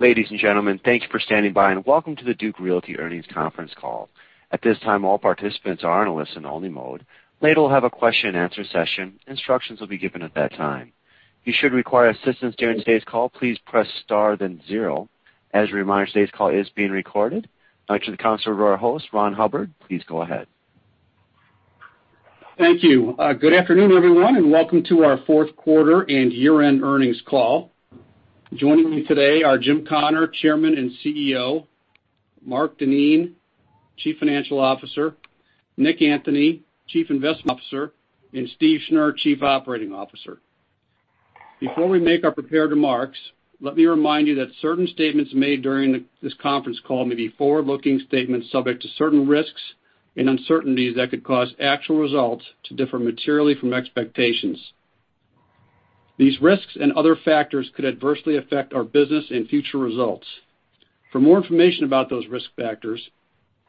Ladies and gentlemen, thank you for standing by, and welcome to the Duke Realty Earnings Conference Call. At this time, all participants are in a listen-only mode. Later, we'll have a question-and-answer session. Instructions will be given at that time. If you should require assistance during today's call, please press star then zero. As a reminder, today's call is being recorded. Now, I'll turn the conference over to our host, Ron Hubbard. Please go ahead. Thank you. Good afternoon, everyone, and welcome to our fourth quarter and year-end earnings call. Joining me today are Jim Connor, Chairman and CEO, Mark Denien, Chief Financial Officer, Nick Anthony, Chief Investment Officer, and Steve Schnur, Chief Operating Officer. Before we make our prepared remarks, let me remind you that certain statements made during this conference call may be forward-looking statements subject to certain risks and uncertainties that could cause actual results to differ materially from expectations. These risks and other factors could adversely affect our business and future results. For more information about those risk factors,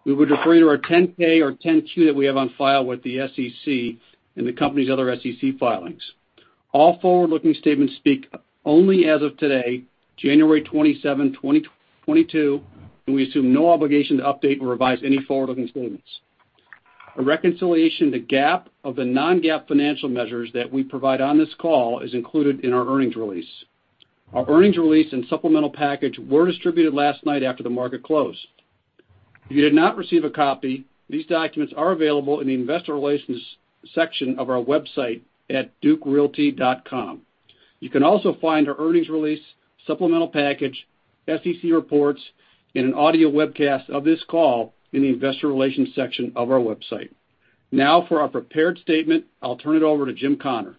we would refer you to our 10-K or 10-Q that we have on file with the SEC and the company's other SEC filings. All forward-looking statements speak only as of today, January 27, 2022, and we assume no obligation to update or revise any forward-looking statements. A reconciliation to GAAP of the non-GAAP financial measures that we provide on this call is included in our earnings release. Our earnings release and supplemental package were distributed last night after the market closed. If you did not receive a copy, these documents are available in the investor relations section of our website at dukerealty.com. You can also find our earnings release, supplemental package, SEC reports, and an audio webcast of this call in the investor relations section of our website. Now, for our prepared statement, I'll turn it over to Jim Connor.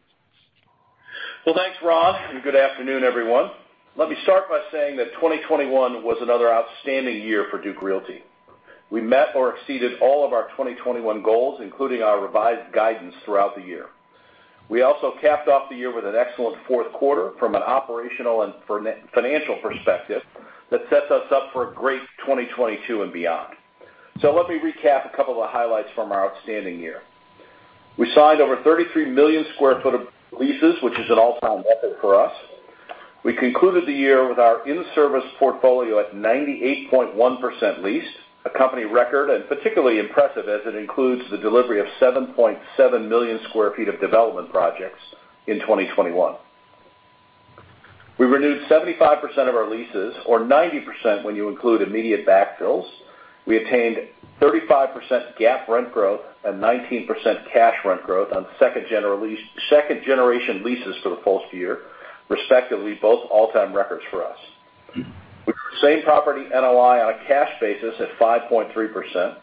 Well, thanks, Ron, and good afternoon, everyone. Let me start by saying that 2021 was another outstanding year for Duke Realty. We met or exceeded all of our 2021 goals, including our revised guidance throughout the year. We also capped off the year with an excellent fourth quarter from an operational and financial perspective that sets us up for a great 2022 and beyond. Let me recap a couple of highlights from our outstanding year. We signed over 33 million sq ft of leases, which is an all-time record for us. We concluded the year with our in-service portfolio at 98.1% leased, a company record, and particularly impressive as it includes the delivery of 7.7 million sq ft of development projects in 2021. We renewed 75% of our leases or 90% when you include immediate backfills. We attained 35% GAAP rent growth and 19% cash rent growth on second-generation leases for the full year, respectively, both all-time records for us. We grew same-property NOI on a cash basis at 5.3%.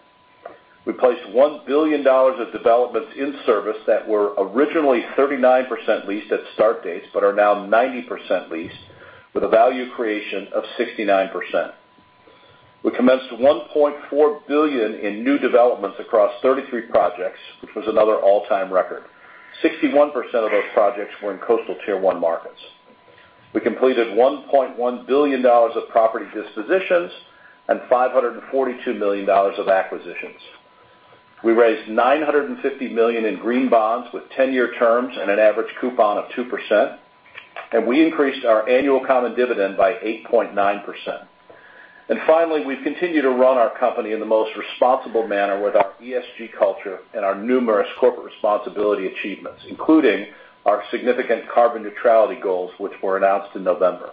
We placed $1 billion of developments in service that were originally 39% leased at start dates, but are now 90% leased with a value creation of 69%. We commenced $1.4 billion in new developments across 33 projects, which was another all-time record. 61% of those projects were in coastal Tier 1 markets. We completed $1.1 billion of property dispositions and $542 million of acquisitions. We raised $950 million in green bonds with 10-year terms and an average coupon of 2%, and we increased our annual common dividend by 8.9%. Finally, we've continued to run our company in the most responsible manner with our ESG culture and our numerous corporate responsibility achievements, including our significant carbon neutrality goals, which were announced in November.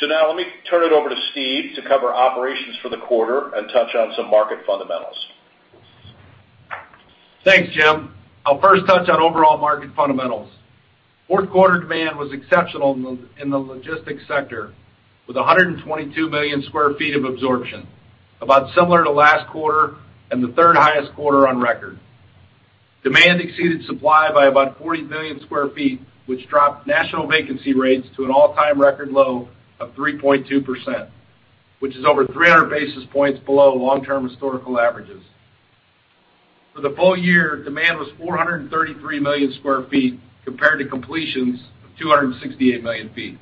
Now let me turn it over to Steve to cover operations for the quarter and touch on some market fundamentals. Thanks, Jim. I'll first touch on overall market fundamentals. Fourth quarter demand was exceptional in the logistics sector with 122 million sq ft of absorption, about similar to last quarter and the third highest quarter on record. Demand exceeded supply by about 40 million sq ft, which dropped national vacancy rates to an all-time record low of 3.2%, which is over 300 basis points below long-term historical averages. For the full year, demand was 433 million sq ft compared to completions of 268 million sq ft.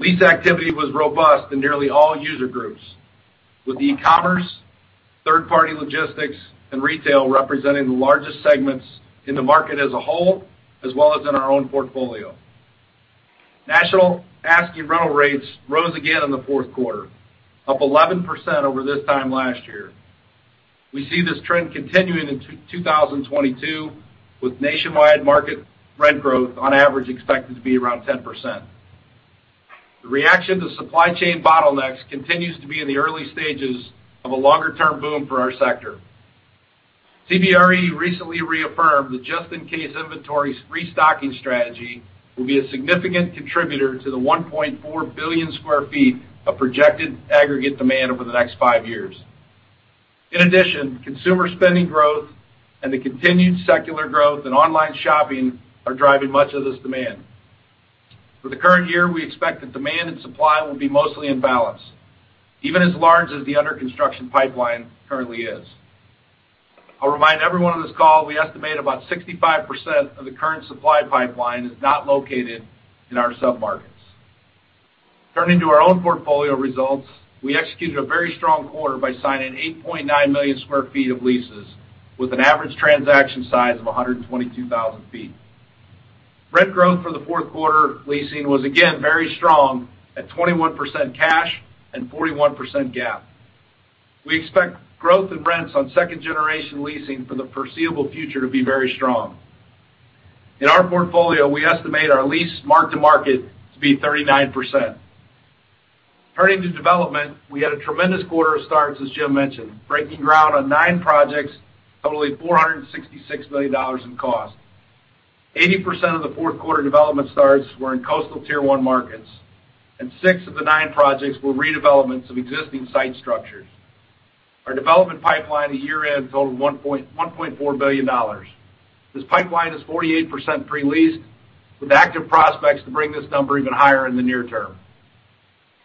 Lease activity was robust in nearly all user groups, with e-commerce, third-party logistics and retail representing the largest segments in the market as a whole, as well as in our own portfolio. National asking rental rates rose again in the fourth quarter, up 11% over this time last year. We see this trend continuing in 2022, with nationwide market rent growth on average expected to be around 10%. The reaction to supply chain bottlenecks continues to be in the early stages of a longer term boom for our sector. CBRE recently reaffirmed the just in case inventory restocking strategy will be a significant contributor to the 1.4 billion sq ft of projected aggregate demand over the next five years. In addition, consumer spending growth and the continued secular growth in online shopping are driving much of this demand. For the current year, we expect that demand and supply will be mostly in balance, even as large as the under construction pipeline currently is. I'll remind everyone on this call, we estimate about 65% of the current supply pipeline is not located in our submarkets. Turning to our own portfolio results, we executed a very strong quarter by signing 8.9 million sq ft of leases with an average transaction size of 122,000 sq ft. Rent growth for the fourth quarter leasing was again very strong at 21% cash and 41% GAAP. We expect growth in rents on second-generation leasing for the foreseeable future to be very strong. In our portfolio, we estimate our lease mark-to-market to be 39%. Turning to development, we had a tremendous quarter of starts, as Jim mentioned, breaking ground on nine projects totaling $466 million in cost. 80% of the fourth quarter development starts were in coastal Tier 1 markets, and six of the nine projects were redevelopments of existing site structures. Our development pipeline at year-end totaled $1.4 billion. This pipeline is 48% pre-leased with active prospects to bring this number even higher in the near term.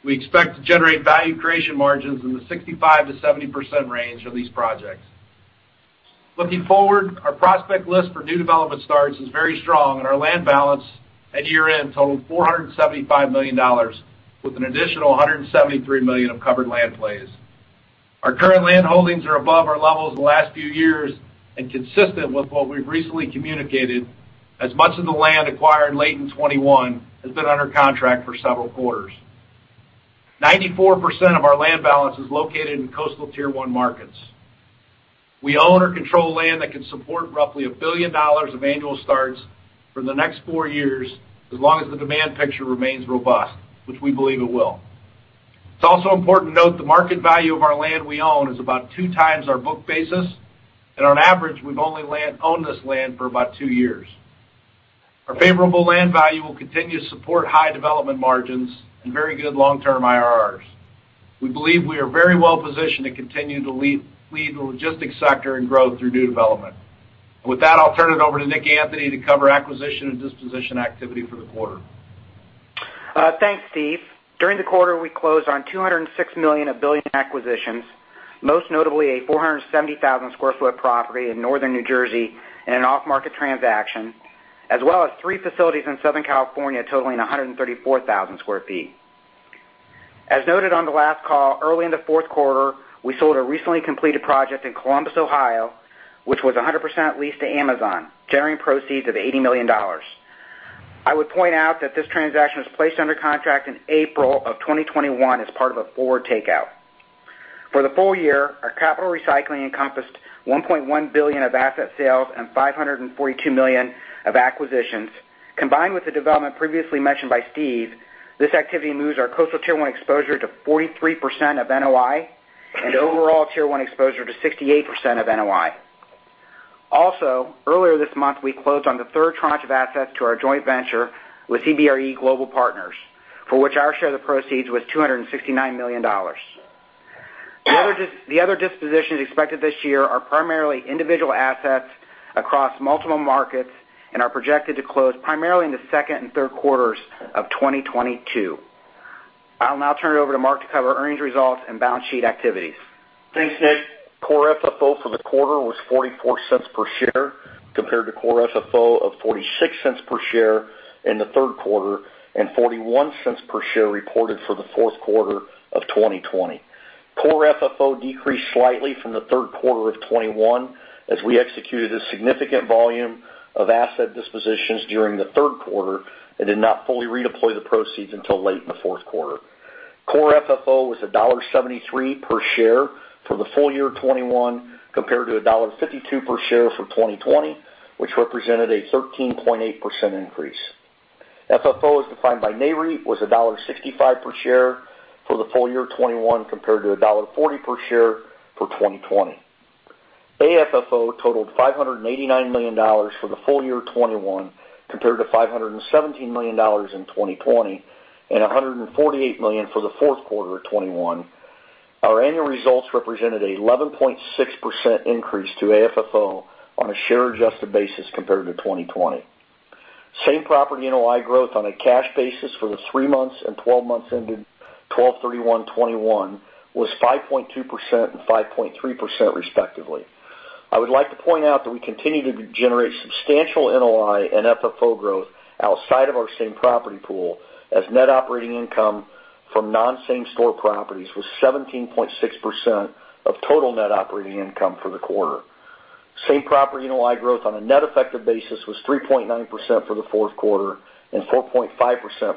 We expect to generate value creation margins in the 65%-70% range for these projects. Looking forward, our prospect list for new development starts is very strong, and our land balance at year-end totaled $475 million, with an additional $173 million of covered land plays. Our current land holdings are above our levels the last few years and consistent with what we've recently communicated, as much of the land acquired late in 2021 has been under contract for several quarters. 94% of our land balance is located in coastal Tier 1 markets. We own or control land that can support roughly $1 billion of annual starts for the next four years, as long as the demand picture remains robust, which we believe it will. It's also important to note the market value of our land we own is about 2x our book basis, and on average, we've only owned this land for about two years. Our favorable land value will continue to support high development margins and very good long-term IRRs. We believe we are very well positioned to continue to lead the logistics sector and growth through new development. With that, I'll turn it over to Nick Anthony to cover acquisition and disposition activity for the quarter. Thanks, Steve. During the quarter, we closed on $206 million of acquisitions, most notably a 470,000 sq ft property in Northern New Jersey in an off-market transaction, as well as three facilities in Southern California, totaling 134,000 sq ft. As noted on the last call, early in the fourth quarter, we sold a recently completed project in Columbus, Ohio, which was 100% leased to Amazon, generating proceeds of $80 million. I would point out that this transaction was placed under contract in April 2021 as part of a forward takeout. For the full year, our capital recycling encompassed $1.1 billion of asset sales and $542 million of acquisitions. Combined with the development previously mentioned by Steve, this activity moves our coastal Tier 1 exposure to 43% of NOI and overall Tier 1 exposure to 68% of NOI. Also, earlier this month, we closed on the third tranche of assets to our joint venture with CBRE Global Investors, for which our share of the proceeds was $269 million. The other dispositions expected this year are primarily individual assets across multiple markets and are projected to close primarily in the second and third quarters of 2022. I'll now turn it over to Mark to cover earnings results and balance sheet activities. Thanks, Nick. Core FFO for the quarter was $0.44 per share compared to Core FFO of $0.46 per share in the third quarter and $0.41 per share reported for the fourth quarter of 2020. Core FFO decreased slightly from the third quarter of 2021 as we executed a significant volume of asset dispositions during the third quarter and did not fully redeploy the proceeds until late in the fourth quarter. Core FFO was $1.73 per share for the full year of 2021 compared to $1.52 per share for 2020, which represented a 13.8% increase. FFO, as defined by Nareit, was $1.65 per share for the full year of 2021 compared to $1.40 per share for 2020. AFFO totaled $589 million for the full year of 2021 compared to $517 million in 2020 and $148 million for the fourth quarter of 2021. Our annual results represented an 11.6% increase to AFFO on a share adjusted basis compared to 2020. Same-property NOI growth on a cash basis for the three months and 12 months ended 12/31/2021 was 5.2% and 5.3%, respectively. I would like to point out that we continue to generate substantial NOI and FFO growth outside of our same-property pool as net operating income from non-same store properties was 17.6% of total net operating income for the quarter. Same-property NOI growth on a net effective basis was 3.9% for the fourth quarter and 4.5%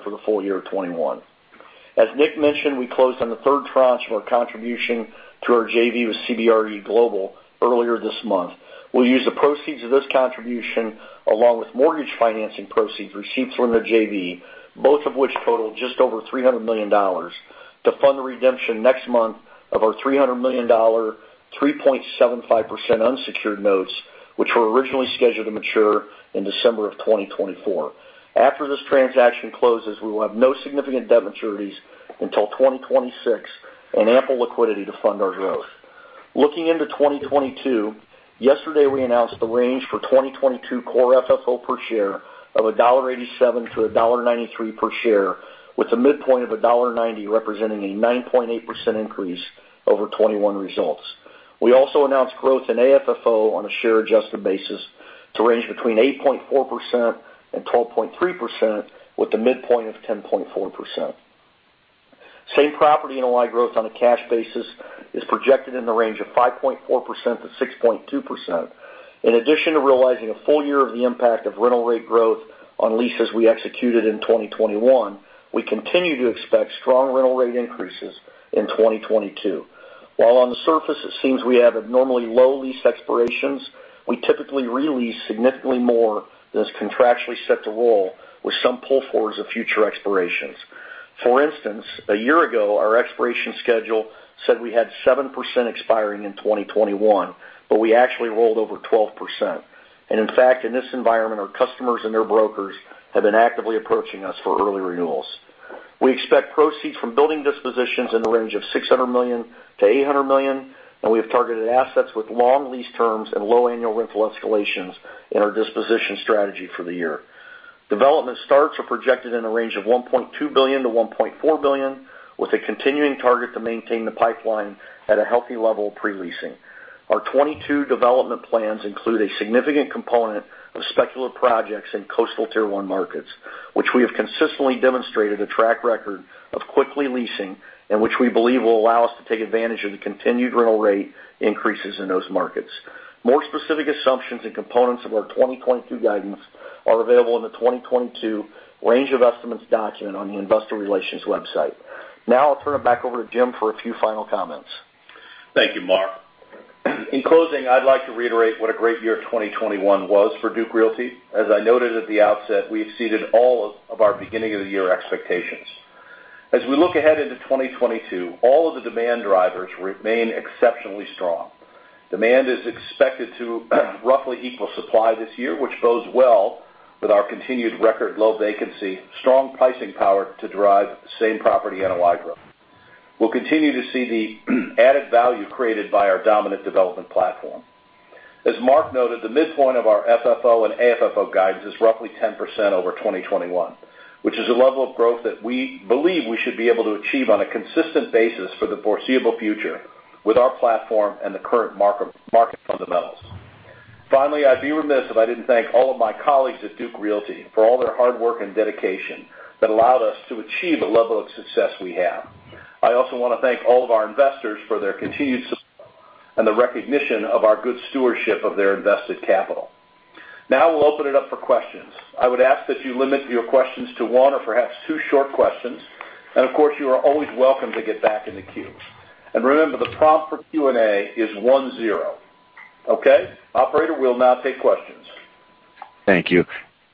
for the full year of 2021. As Nick mentioned, we closed on the third tranche of our contribution to our JV with CBRE Global earlier this month. We'll use the proceeds of this contribution along with mortgage financing proceeds received from the JV, both of which total just over $300 million, to fund the redemption next month of our $300 million, 3.75% unsecured notes, which were originally scheduled to mature in December of 2024. After this transaction closes, we will have no significant debt maturities until 2026 and ample liquidity to fund our growth. Looking into 2022, yesterday, we announced the range for 2022 Core FFO per share of $1.87-$1.93 per share, with a midpoint of $1.90, representing a 9.8% increase over 2021 results. We also announced growth in AFFO on a share adjusted basis to range between 8.4% and 12.3%, with a midpoint of 10.4%. Same-property NOI growth on a cash basis is projected in the range of 5.4% to 6.2%. In addition to realizing a full year of the impact of rental rate growth on leases we executed in 2021, we continue to expect strong rental rate increases in 2022. While on the surface it seems we have abnormally low lease expirations, we typically re-lease significantly more than is contractually set to roll with some pull-forwards of future expirations. For instance, a year ago, our expiration schedule said we had 7% expiring in 2021, but we actually rolled over 12%. In fact, in this environment, our customers and their brokers have been actively approaching us for early renewals. We expect proceeds from building dispositions in the range of $600 million-$800 million, and we have targeted assets with long lease terms and low annual rental escalations in our disposition strategy for the year. Development starts are projected in a range of $1.2 billion-$1.4 billion, with a continuing target to maintain the pipeline at a healthy level pre-leasing. Our 2022 development plans include a significant component of speculative projects in coastal Tier 1 markets, which we have consistently demonstrated a track record of quickly leasing and which we believe will allow us to take advantage of the continued rental rate increases in those markets. More specific assumptions and components of our 2022 guidance are available in the 2022 range of estimates document on the investor relations website. Now I'll turn it back over to Jim for a few final comments. Thank you, Mark. In closing, I'd like to reiterate what a great year 2021 was for Duke Realty. As I noted at the outset, we exceeded all of our beginning of the year expectations. As we look ahead into 2022, all of the demand drivers remain exceptionally strong. Demand is expected to roughly equal supply this year, which bodes well with our continued record low vacancy, strong pricing power to drive same-property NOI growth. We'll continue to see the added value created by our dominant development platform. As Mark noted, the midpoint of our FFO and AFFO guidance is roughly 10% over 2021, which is a level of growth that we believe we should be able to achieve on a consistent basis for the foreseeable future with our platform and the current market fundamentals. Finally, I'd be remiss if I didn't thank all of my colleagues at Duke Realty for all their hard work and dedication that allowed us to achieve the level of success we have. I also wanna thank all of our investors for their continued support and the recognition of our good stewardship of their invested capital. Now we'll open it up for questions. I would ask that you limit your questions to one or perhaps two short questions. Of course, you are always welcome to get back in the queue. Remember, the prompt for Q&A is one zero. Okay? Operator, we'll now take questions. Thank you.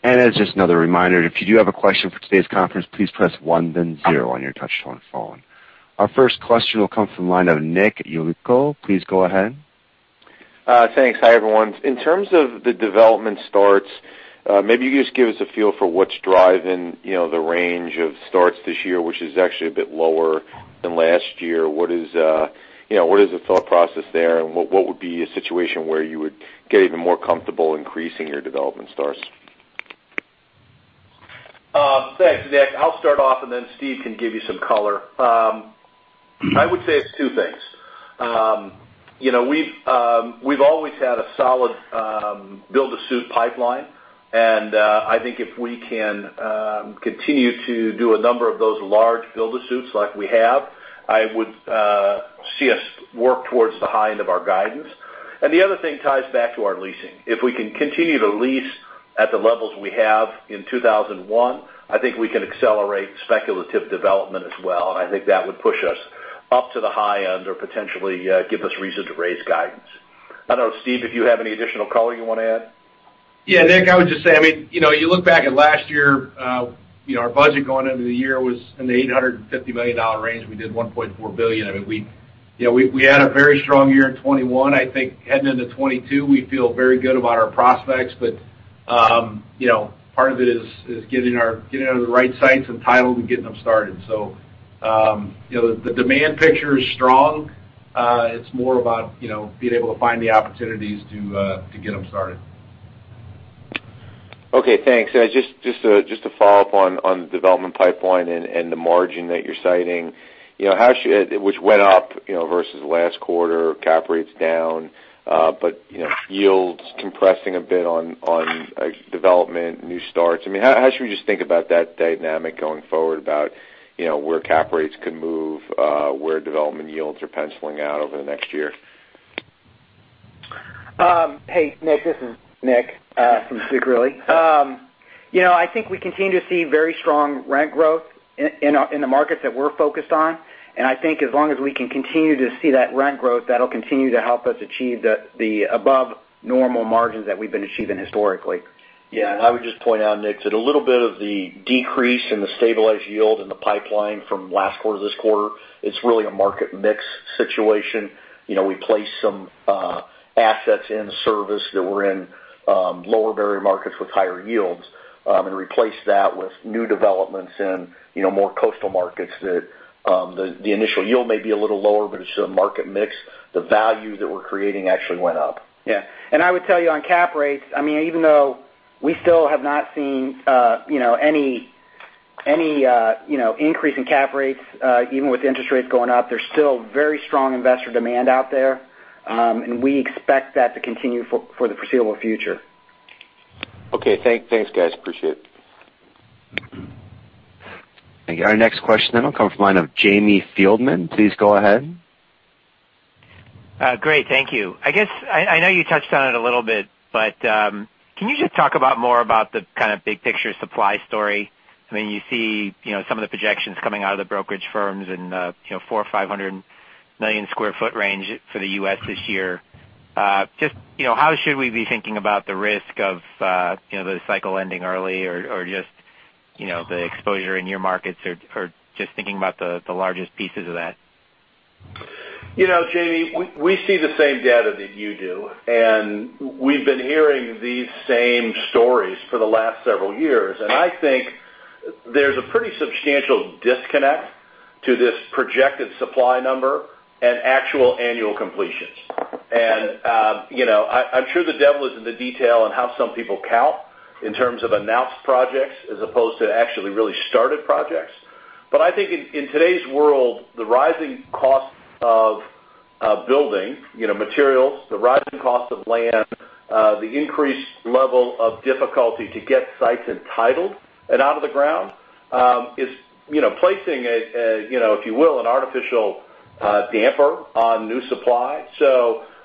As just another reminder, if you do have a question for today's conference, please press one then zero on your touch-tone phone. Our first question will come from the line of Nick Yulico. Please go ahead. Thanks. Hi, everyone. In terms of the development starts, maybe you could just give us a feel for what's driving, you know, the range of starts this year, which is actually a bit lower than last year. What is, you know, the thought process there? What would be a situation where you would get even more comfortable increasing your development starts? Thanks, Nick. I'll start off, and then Steve can give you some color. I would say it's two things. You know, we've always had a solid build-to-suit pipeline, and I think if we can continue to do a number of those large build-to-suits like we have, I would see us work towards the high end of our guidance. The other thing ties back to our leasing. If we can continue to lease at the levels we have in 2001, I think we can accelerate speculative development as well, and I think that would push us up to the high end or potentially give us reason to raise guidance. I don't know, Steve, if you have any additional color you wanna add. Yeah, Nick, I would just say, I mean, you know, you look back at last year our budget going into the year was in the $850 million range. We did $1.4 billion. I mean, we, you know, we had a very strong year in 2021. I think heading into 2022, we feel very good about our prospects, but part of it is getting out of the right sites and entitled and getting them started. You know, the demand picture is strong. It's more about being able to find the opportunities to get them started. Okay, thanks. Just to follow up on the development pipeline and the margin that you're citing, you know, which went up versus last quarter, cap rate's down, but you know, yields compressing a bit on development new starts. I mean, how should we just think about that dynamic going forward about, you know, where cap rates could move, where development yields are penciling out over the next year? Hey, Nick, this is Nick from Duke Realty. I think we continue to see very strong rent growth in the markets that we're focused on. I think as long as we can continue to see that rent growth, that'll continue to help us achieve the above normal margins that we've been achieving historically. Yeah. I would just point out, Nick, that a little bit of the decrease in the stabilized yield in the pipeline from last quarter to this quarter, it's really a market mix situation. We placed some assets in service that were in lower barrier markets with higher yields and replaced that with new developments in more coastal markets that the initial yield may be a little lower, but it's a market mix. The value that we're creating actually went up. Yeah. I would tell you on cap rates, I mean, even though we still have not seen any increase in cap rates, even with interest rates going up, there's still very strong investor demand out there. We expect that to continue for the foreseeable future. Okay. Thanks, guys. Appreciate it. Thank you. Our next question will come from the line of Jamie Feldman. Please go ahead. Great. Thank you. I guess I know you touched on it a little bit, but can you just talk about more about the kind of big picture supply story? I mean, you see, you know, some of the projections coming out of the brokerage firms and, you know, 400-500 million sq ft range for the U.S. this year. Just, you know, how should we be thinking about the risk of, you know, the cycle ending early or just, you know, the exposure in your markets or just thinking about the largest pieces of that? You know, Jamie, we see the same data that you do, and we've been hearing these same stories for the last several years. I think there's a pretty substantial disconnect to this projected supply number and actual annual completions. You know, I'm sure the devil is in the detail on how some people count in terms of announced projects as opposed to actually really started projects. I think in today's world, the rising cost of building materials, the rising cost of land, the increased level of difficulty to get sites entitled and out of the ground, is you know placing a you know, if you will, an artificial damper on new supply.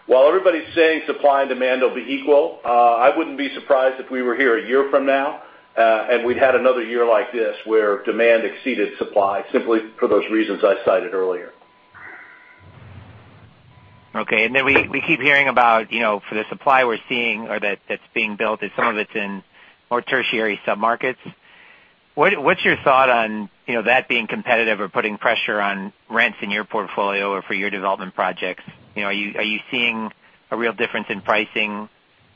While everybody's saying supply and demand will be equal, I wouldn't be surprised if we were here a year from now, and we'd had another year like this where demand exceeded supply simply for those reasons I cited earlier. Okay. We keep hearing about for the supply we're seeing or that's being built and some of it's in more tertiary submarkets. What's your thought on, you know, that being competitive or putting pressure on rents in your portfolio or for your development projects? You know, are you seeing a real difference in pricing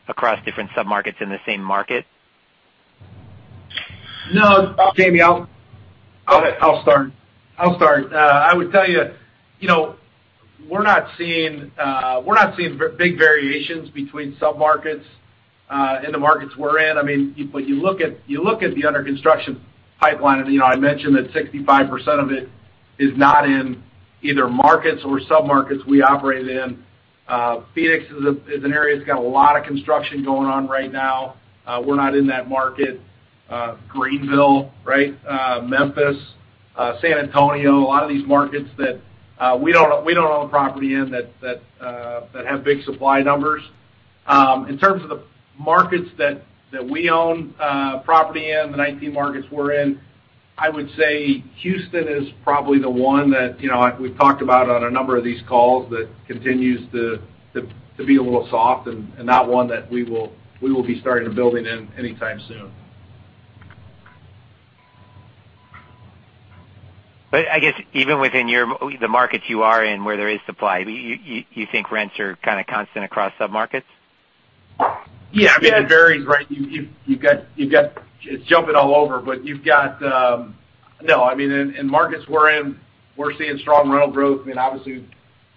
across different submarkets in the same market? No, Jamie. Go ahead. I'll start. I would tell you know, we're not seeing big variations between submarkets in the markets we're in. I mean, if you look at the under construction pipeline I mentioned that 65% of it is not in our markets or submarkets we operate in. Phoenix is an area that's got a lot of construction going on right now. We're not in that market. Greenville, right? Memphis, San Antonio, a lot of these markets that we don't own property in, that have big supply numbers. In terms of the markets that we own property in, the 19 markets we're in, I would say Houston is probably the one that, you know, we've talked about on a number of these calls that continues to be a little soft and not one that we will be starting to build in anytime soon. I guess even within the markets you are in where there is supply, you think rents are kind of constant across submarkets? Yeah. I mean, it varies, right? It's jumping all over, but in markets we're in, we're seeing strong rental growth. I mean, obviously,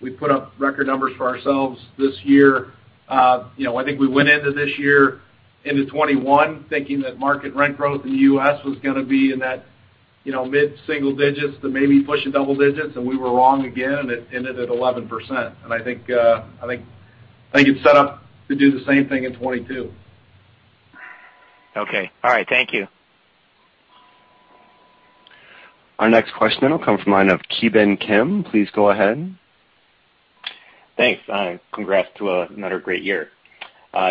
we've put up record numbers for ourselves this year. I think we went into this year into 2021 thinking that market rent growth in the U.S. was gonna be in that mid-single digits to maybe pushing double digits, and we were wrong again, and it ended at 11%. I think it's set up to do the same thing in 2022. Okay. All right. Thank you. Our next question will come from the line of Ki Bin Kim. Please go ahead. Thanks. Congrats to another great year.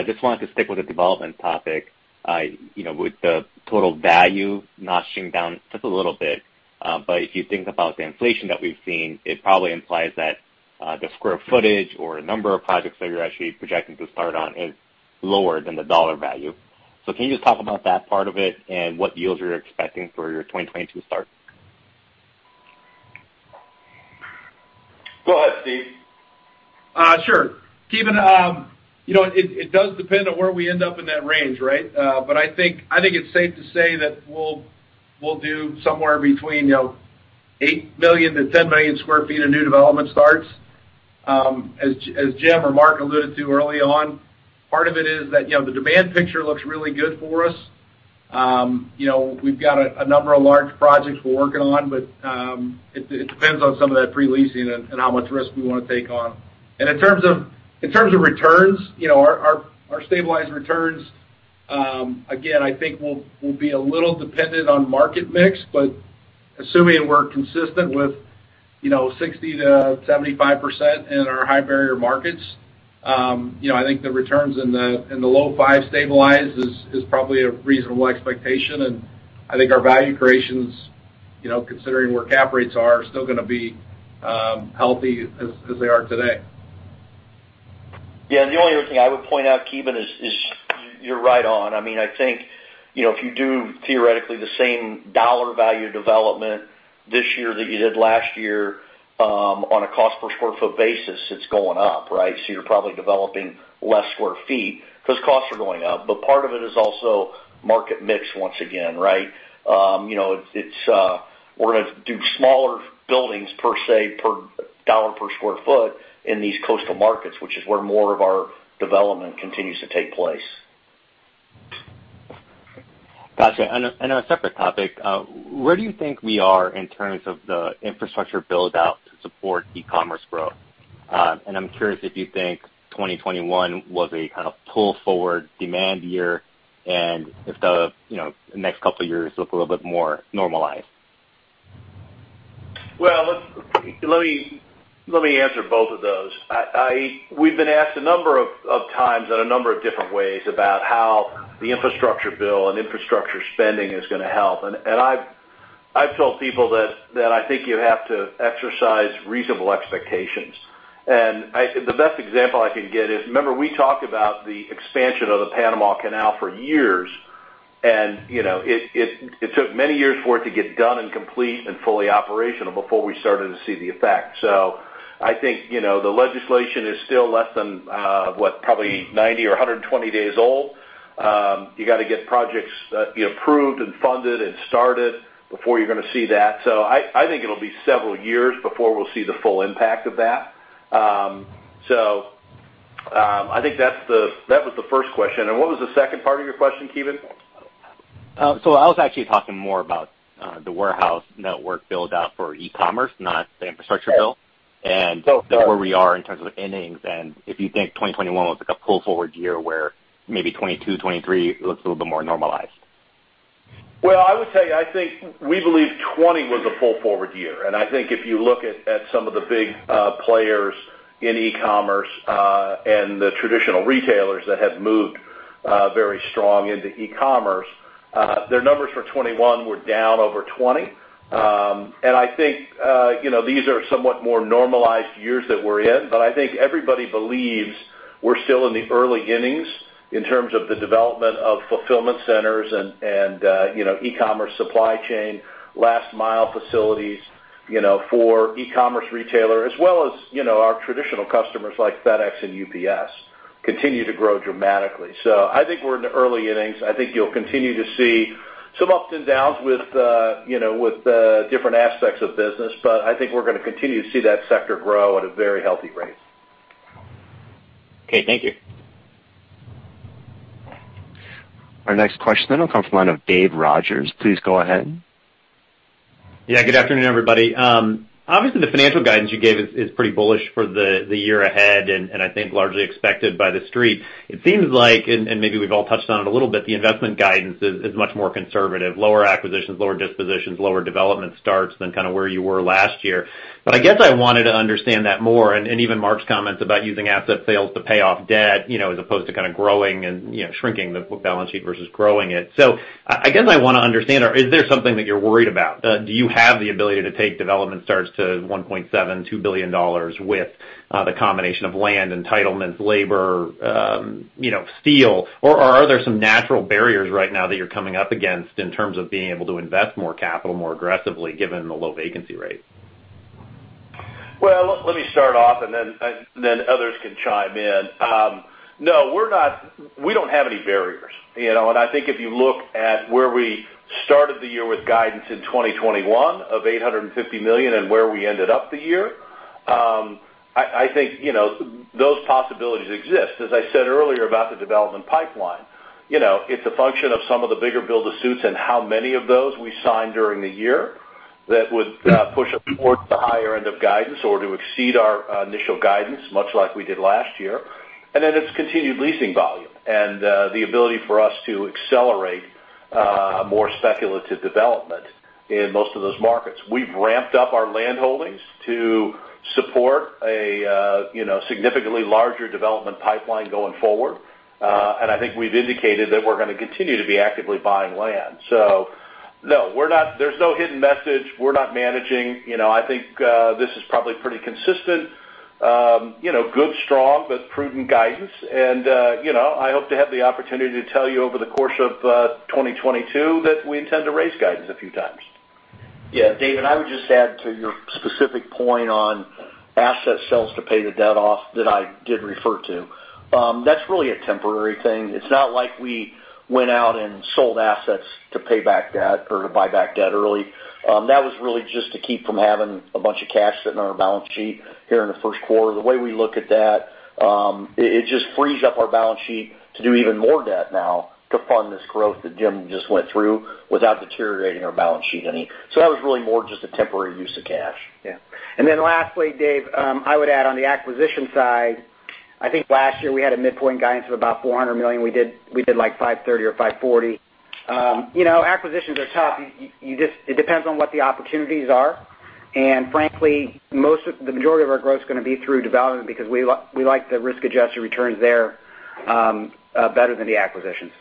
Just wanted to stick with the development topic. You know, with the total value notching down just a little bit, but if you think about the inflation that we've seen, it probably implies that the square footage or a number of projects that you're actually projecting to start on is lower than the dollar value. Can you just talk about that part of it and what yields you're expecting for your 2022 start? Go ahead, Steve. Sure. Ki Bin, it does depend on where we end up in that range, right? But I think it's safe to say that we'll do somewhere between, you know, 8 million-10 million sq ft of new development starts. As Jim or Mark alluded to early on, part of it is that, you know, the demand picture looks really good for us. You know, we've got a number of large projects we're working on, but it depends on some of that pre-leasing and how much risk we wanna take on. In terms of returns our stabilized returns, again, I think will be a little dependent on market mix, but assuming we're consistent with, you know, 60%-75% in our high barrier markets I think the returns in the low 5% stabilized is probably a reasonable expectation. I think our value creations, you know, considering where cap rates are still gonna be healthy as they are today. Yeah. The only other thing I would point out, Ki Bin, is you're right on. I mean, I think, you know, if you do theoretically the same dollar value development this year that you did last year, on a cost per square foot basis, it's going up, right? So you're probably developing less square feet because costs are going up. Part of it is also market mix once again, right? You know, we're gonna do smaller buildings per se, per dollar per square foot in these coastal markets, which is where more of our development continues to take place. Gotcha. On a separate topic, where do you think we are in terms of the infrastructure build-out to support e-commerce growth? And I'm curious if you think 2021 was a kind of pull-forward demand year and if the, you know, next couple of years look a little bit more normalized. Let me answer both of those. We've been asked a number of times in a number of different ways about how the infrastructure bill and infrastructure spending is gonna help. I've told people that I think you have to exercise reasonable expectations. The best example I can get is, remember we talked about the expansion of the Panama Canal for years. It took many years for it to get done and complete and fully operational before we started to see the effect. I think, you know, the legislation is still less than what, probably 90 or 120 days old. You gotta get projects, you know, approved and funded and started before you're gonna see that. I think it'll be several years before we'll see the full impact of that. I think that was the first question. What was the second part of your question, Ki Bin? I was actually talking more about the warehouse network build out for e-commerce, not the infrastructure bill. Yeah. Where we are in terms of innings, and if you think 2021 was like a pull-forward year, where maybe 2022, 2023 looks a little bit more normalized. Well, I would say, I think we believe 2020 was a pull-forward year. I think if you look at some of the big players in e-commerce and the traditional retailers that have moved very strong into e-commerce, their numbers for 2021 were down over 2020. I think you know, these are somewhat more normalized years that we're in. I think everybody believes we're still in the early innings in terms of the development of fulfillment centers and you know, e-commerce supply chain, last mile facilities for e-commerce retailer, as well as, you know, our traditional customers like FedEx and UPS continue to grow dramatically. I think we're in the early innings. I think you'll continue to see some ups and downs with you know, with the different aspects of business. I think we're gonna continue to see that sector grow at a very healthy rate. Okay, thank you. Our next question will come from the line of Dave Rodgers. Please go ahead. Yeah, good afternoon, everybody. Obviously the financial guidance you gave is pretty bullish for the year ahead, and I think largely expected by The Street. It seems like, and maybe we've all touched on it a little bit, the investment guidance is much more conservative. Lower acquisitions, lower dispositions, lower development starts than kind of where you were last year. I guess I wanted to understand that more and even Mark's comments about using asset sales to pay off debt, you know, as opposed to kind of growing and, you know, shrinking the balance sheet versus growing it. I guess I wanna understand, is there something that you're worried about? Do you have the ability to take development starts to $1.72 billion with the combination of land, entitlements, labor, you know, steel? Are there some natural barriers right now that you're coming up against in terms of being able to invest more capital more aggressively given the low vacancy rate? Well, let me start off and then others can chime in. No, we don't have any barriers, you know. I think if you look at where we started the year with guidance in 2021 of $850 million and where we ended up the year, I think, you know, those possibilities exist. As I said earlier about the development pipeline, you know, it's a function of some of the bigger build-to-suits and how many of those we signed during the year that would push us towards the higher end of guidance or to exceed our initial guidance, much like we did last year. It's continued leasing volume and the ability for us to accelerate more speculative development in most of those markets. We've ramped up our landholdings to support a significantly larger development pipeline going forward. I think we've indicated that we're gonna continue to be actively buying land. There's no hidden message. We're not managing. You know, I think, this is probably pretty consistent, you know, good, strong, but prudent guidance. You know, I hope to have the opportunity to tell you over the course of 2022 that we intend to raise guidance a few times. Yeah. Dave, and I would just add to your specific point on asset sales to pay the debt off that I did refer to. That's really a temporary thing. It's not like we went out and sold assets to pay back debt or to buy back debt early. That was really just to keep from having a bunch of cash sitting on our balance sheet here in the first quarter. The way we look at that, it just frees up our balance sheet to do even more debt now to fund this growth that Jim just went through without deteriorating our balance sheet any. That was really more just a temporary use of cash. Lastly, Dave, I would add on the acquisition side, I think last year we had a midpoint guidance of about $400 million. We did like $530 or $540. You know, acquisitions are tough. It depends on what the opportunities are. Frankly, the majority of our growth is gonna be through development because we like the risk-adjusted returns there better than the acquisitions.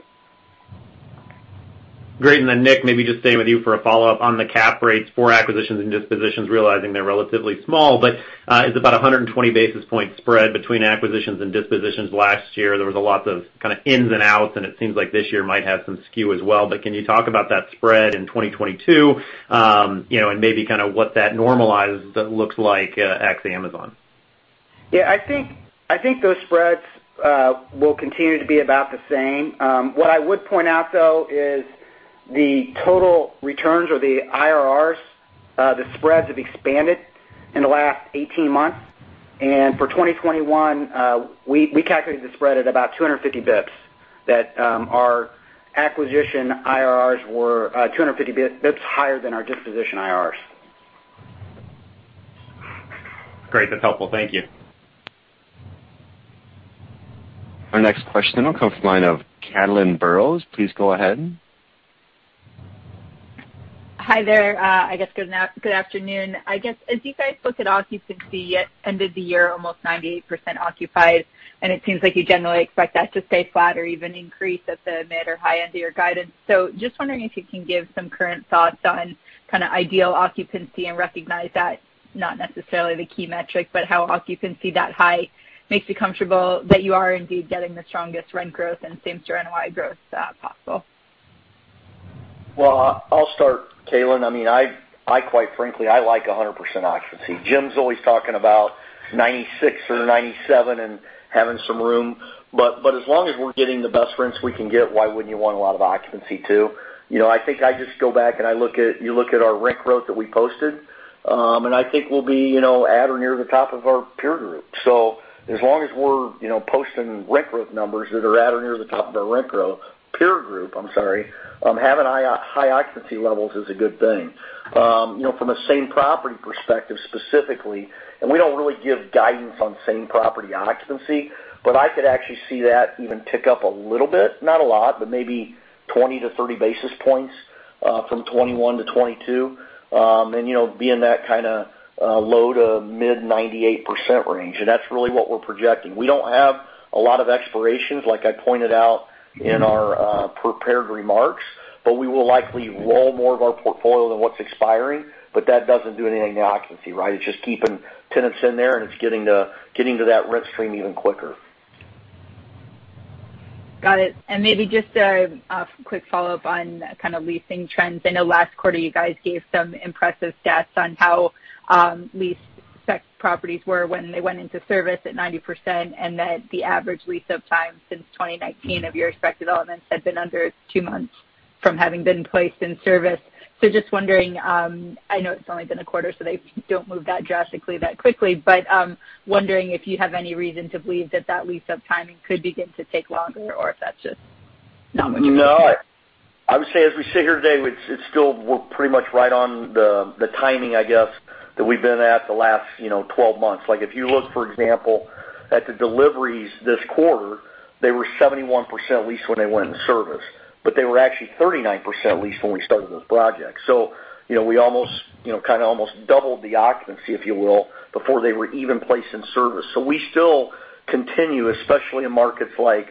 Great. Nick, maybe just stay with you for a follow-up on the cap rates for acquisitions and dispositions, realizing they're relatively small, but it's about a 120 basis point spread between acquisitions and dispositions last year. There was lots of kind of ins and outs, and it seems like this year might have some skew as well. Can you talk about that spread in 2022? You know, maybe kind of what that normalized looks like, ex Amazon. Yeah. I think those spreads will continue to be about the same. What I would point out, though, is the total returns or the IRRs, the spreads have expanded in the last 18 months. For 2021, we calculated the spread at about 250 BPS that our acquisition IRRs were 250 BPS higher than our disposition IRRs. Great. That's helpful. Thank you. Our next question will come from the line of Caitlin Burrows. Please go ahead. Hi there. I guess good afternoon. I guess, as you guys look at occupancy at end of the year, almost 98% occupied, and it seems like you generally expect that to stay flat or even increase at the mid or high end of your guidance. Just wondering if you can give some current thoughts on kind of ideal occupancy and recognize that not necessarily the key metric, but how occupancy that high makes you comfortable that you are indeed getting the strongest rent growth and same-property NOI growth, possible. Well, I'll start, Caitlin. I mean, I quite frankly like 100% occupancy. Jim's always talking about 96% or 97% and having some room, but as long as we're getting the best rents we can get, why wouldn't you want a lot of occupancy too? You know, I think I just go back and you look at our rent growth that we posted, and I think we'll be, you know, at or near the top of our peer group. As long as we're, you know, posting rent growth numbers that are at or near the top of our rent growth peer group, I'm sorry, having high occupancy levels is a good thing. You know, from a same-property perspective specifically, and we don't really give guidance on same-property occupancy, but I could actually see that even tick up a little bit, not a lot, but maybe 20-30 basis points from 2021 to 2022, and you know be in that kind of low- to mid-98% range. That's really what we're projecting. We don't have a lot of expirations, like I pointed out in our prepared remarks, but we will likely roll more of our portfolio than what's expiring. That doesn't do anything to occupancy, right? It's just keeping tenants in there, and it's getting to that rent stream even quicker. Got it. Maybe just a quick follow-up on kind of leasing trends. I know last quarter you guys gave some impressive stats on how leased spec properties were when they went into service at 90%, and that the average lease-up time since 2019 of your spec developments had been under two months from having been placed in service. Just wondering, I know it's only been a quarter, so they don't move that drastically that quickly. Wondering if you have any reason to believe that that lease-up timing could begin to take longer or if that's just not what you want. No, I would say as we sit here today, it's still we're pretty much right on the timing, I guess, that we've been at the last 12 months. Like if you look, for example, at the deliveries this quarter, they were 71% leased when they went in service. But they were actually 39% leased when we started those projects. So, you know, we almost, you know, kind of almost doubled the occupancy, if you will, before they were even placed in service. So we still continue, especially in markets like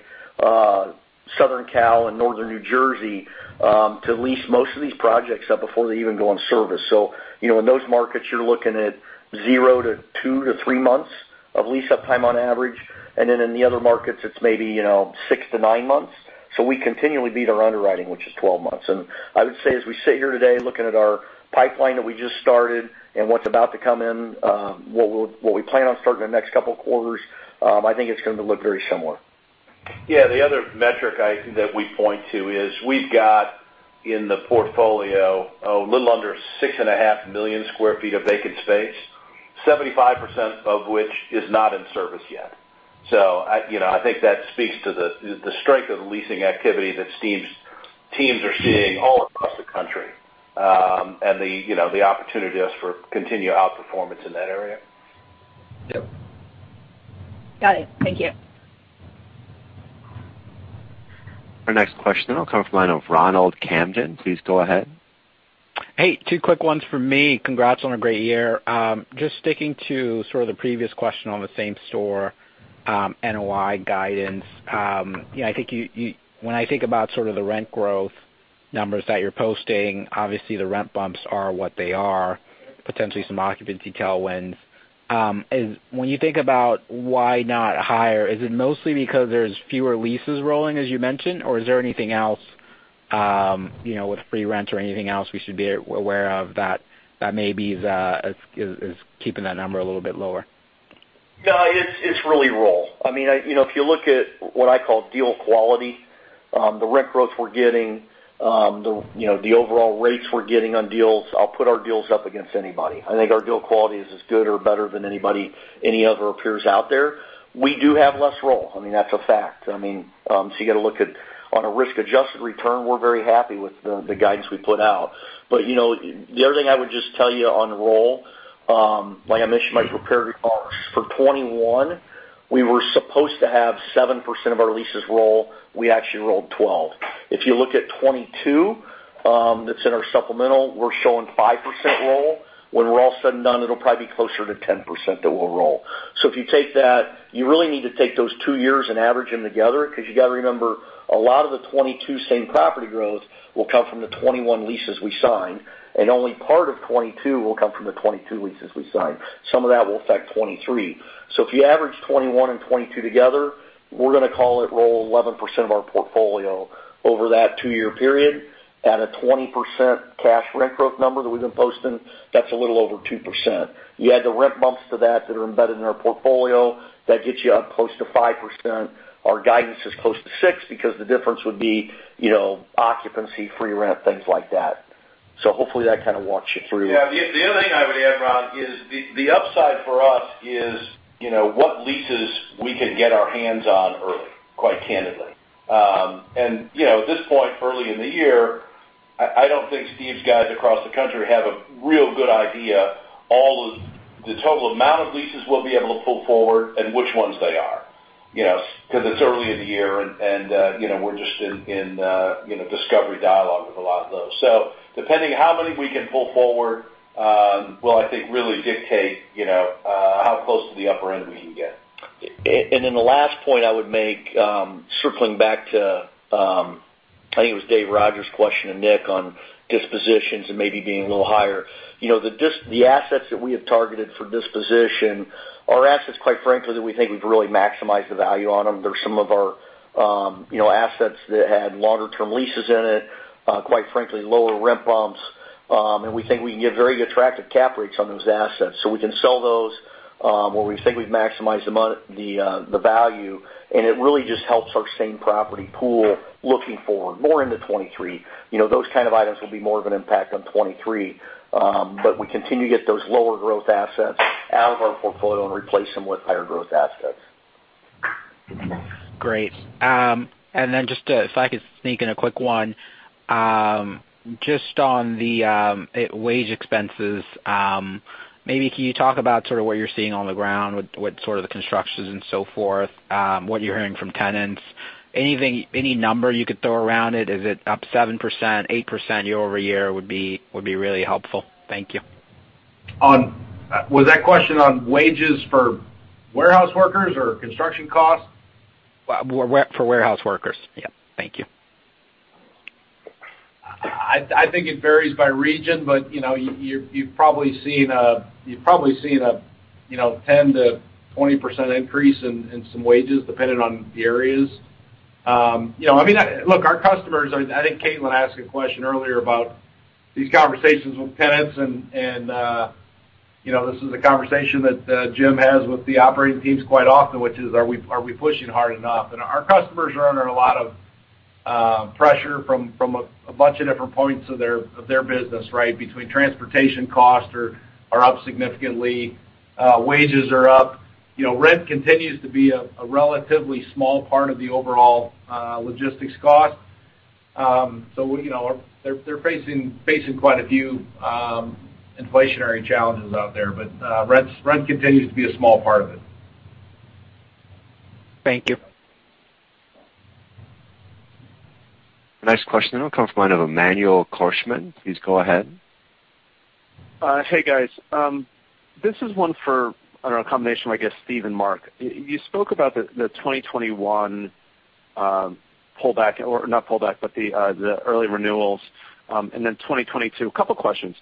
Southern Cal and Northern New Jersey, to lease most of these projects up before they even go in service. So, you know, in those markets, you're looking at 0 to 2 to 3 months of lease-up time on average. In the other markets, it's maybe, you know, six-nine months. We continually beat our underwriting, which is 12 months. I would say, as we sit here today looking at our pipeline that we just started and what's about to come in, what we plan on starting the next couple of quarters, I think it's going to look very similar. Yeah. The other metric that we point to is we've got in the portfolio a little under 6.5 million sq ft of vacant space, 75% of which is not in service yet. I think that speaks to the strength of the leasing activity that Steve's teams are seeing all across the country, and, you know, the opportunity for continued outperformance in that area. Yep. Got it. Thank you. Our next question will come from the line of Ronald Kamdem. Please go ahead. Hey, two quick ones for me. Congrats on a great year. Just sticking to sort of the previous question on the same store NOI guidance. You know, I think when I think about sort of the rent growth numbers that you're posting, obviously the rent bumps are what they are, potentially some occupancy tailwinds. When you think about why not higher, is it mostly because there's fewer leases rolling, as you mentioned, or is there anything else with free rent or anything else we should be aware of that maybe is keeping that number a little bit lower? No, it's really roll. I mean if you look at what I call deal quality, the rent growth we're getting, the overall rates we're getting on deals, I'll put our deals up against anybody. I think our deal quality is as good or better than anybody, any other peers out there. We do have less roll. I mean, that's a fact. I mean, so you got to look at on a risk-adjusted return, we're very happy with the guidance we put out. You know, the other thing I would just tell you on roll, like I mentioned in my prepared remarks, for 2021, we were supposed to have 7% of our leases roll. We actually rolled 12. If you look at 2022, that's in our supplemental, we're showing 5% roll. When we're all said and done, it'll probably be closer to 10% that we'll roll. If you take that, you really need to take those two years and average them together because you got to remember, a lot of the 2022 same-property growth will come from the 2021 leases we signed, and only part of 2022 will come from the 2022 leases we signed. Some of that will affect 2023. If you average 2021 and 2022 together, we're gonna call it roll 11% of our portfolio over that two-year period at a 20% cash rent growth number that we've been posting, that's a little over 2%. You add the rent bumps to that that are embedded in our portfolio, that gets you up close to 5%. Our guidance is close to six because the difference would be occupancy, free rent, things like that. Hopefully that kind of walks you through. Yeah. The other thing I would add, Ron, is the upside for us is, you know, what leases we can get our hands on early, quite candidly. And you know, at this point early in the year, I don't think Steve's guys across the country have a real good idea all of the total amount of leases we'll be able to pull forward and which ones they are. You know, 'cause it's early in the year and, you know, we're just in discovery dialogue with a lot of those. Depending how many we can pull forward will I think really dictate, you know, how close to the upper end we can get. The last point I would make, circling back to, I think it was Dave Rodgers' question to Nick on dispositions and maybe being a little higher. You know, the assets that we have targeted for disposition are assets, quite frankly, that we think we've really maximized the value on them. They're some of our, you know, assets that had longer term leases in it, quite frankly, lower rent bumps. We think we can get very attractive cap rates on those assets. We can sell those, where we think we've maximized the value, and it really just helps our same property pool looking forward more into 2023. You know, those kind of items will be more of an impact on 2023. We continue to get those lower growth assets out of our portfolio and replace them with higher growth assets. Great. Just to, if I could sneak in a quick one, just on the wage expenses, maybe can you talk about sort of what you're seeing on the ground with sort of the constructions and so forth, what you're hearing from tenants? Anything, any number you could throw around it? Is it up 7%, 8% year-over-year would be really helpful. Thank you. Was that question on wages for warehouse workers or construction costs? Well, for warehouse workers. Yeah. Thank you. I think it varies by region, but you've probably seen a 10%-20% increase in some wages depending on the areas. Look, our customers are. I think Caitlin asked a question earlier about these conversations with tenants and you know, this is a conversation that Jim has with the operating teams quite often, which is, are we pushing hard enough? Our customers are under a lot of pressure from a bunch of different points of their business, right? Between transportation costs are up significantly, wages are up. You know, rent continues to be a relatively small part of the overall logistics cost. You know, they're facing quite a few inflationary challenges out there. Rent continues to be a small part of it. Thank you. The next question now comes from the line of Emmanuel Korchman. Please go ahead. Hey, guys. This is one for, I don't know, a combination, I guess, Steve and Mark. You spoke about the 2021 pullback or not pullback, but the early renewals and then 2022. A couple questions.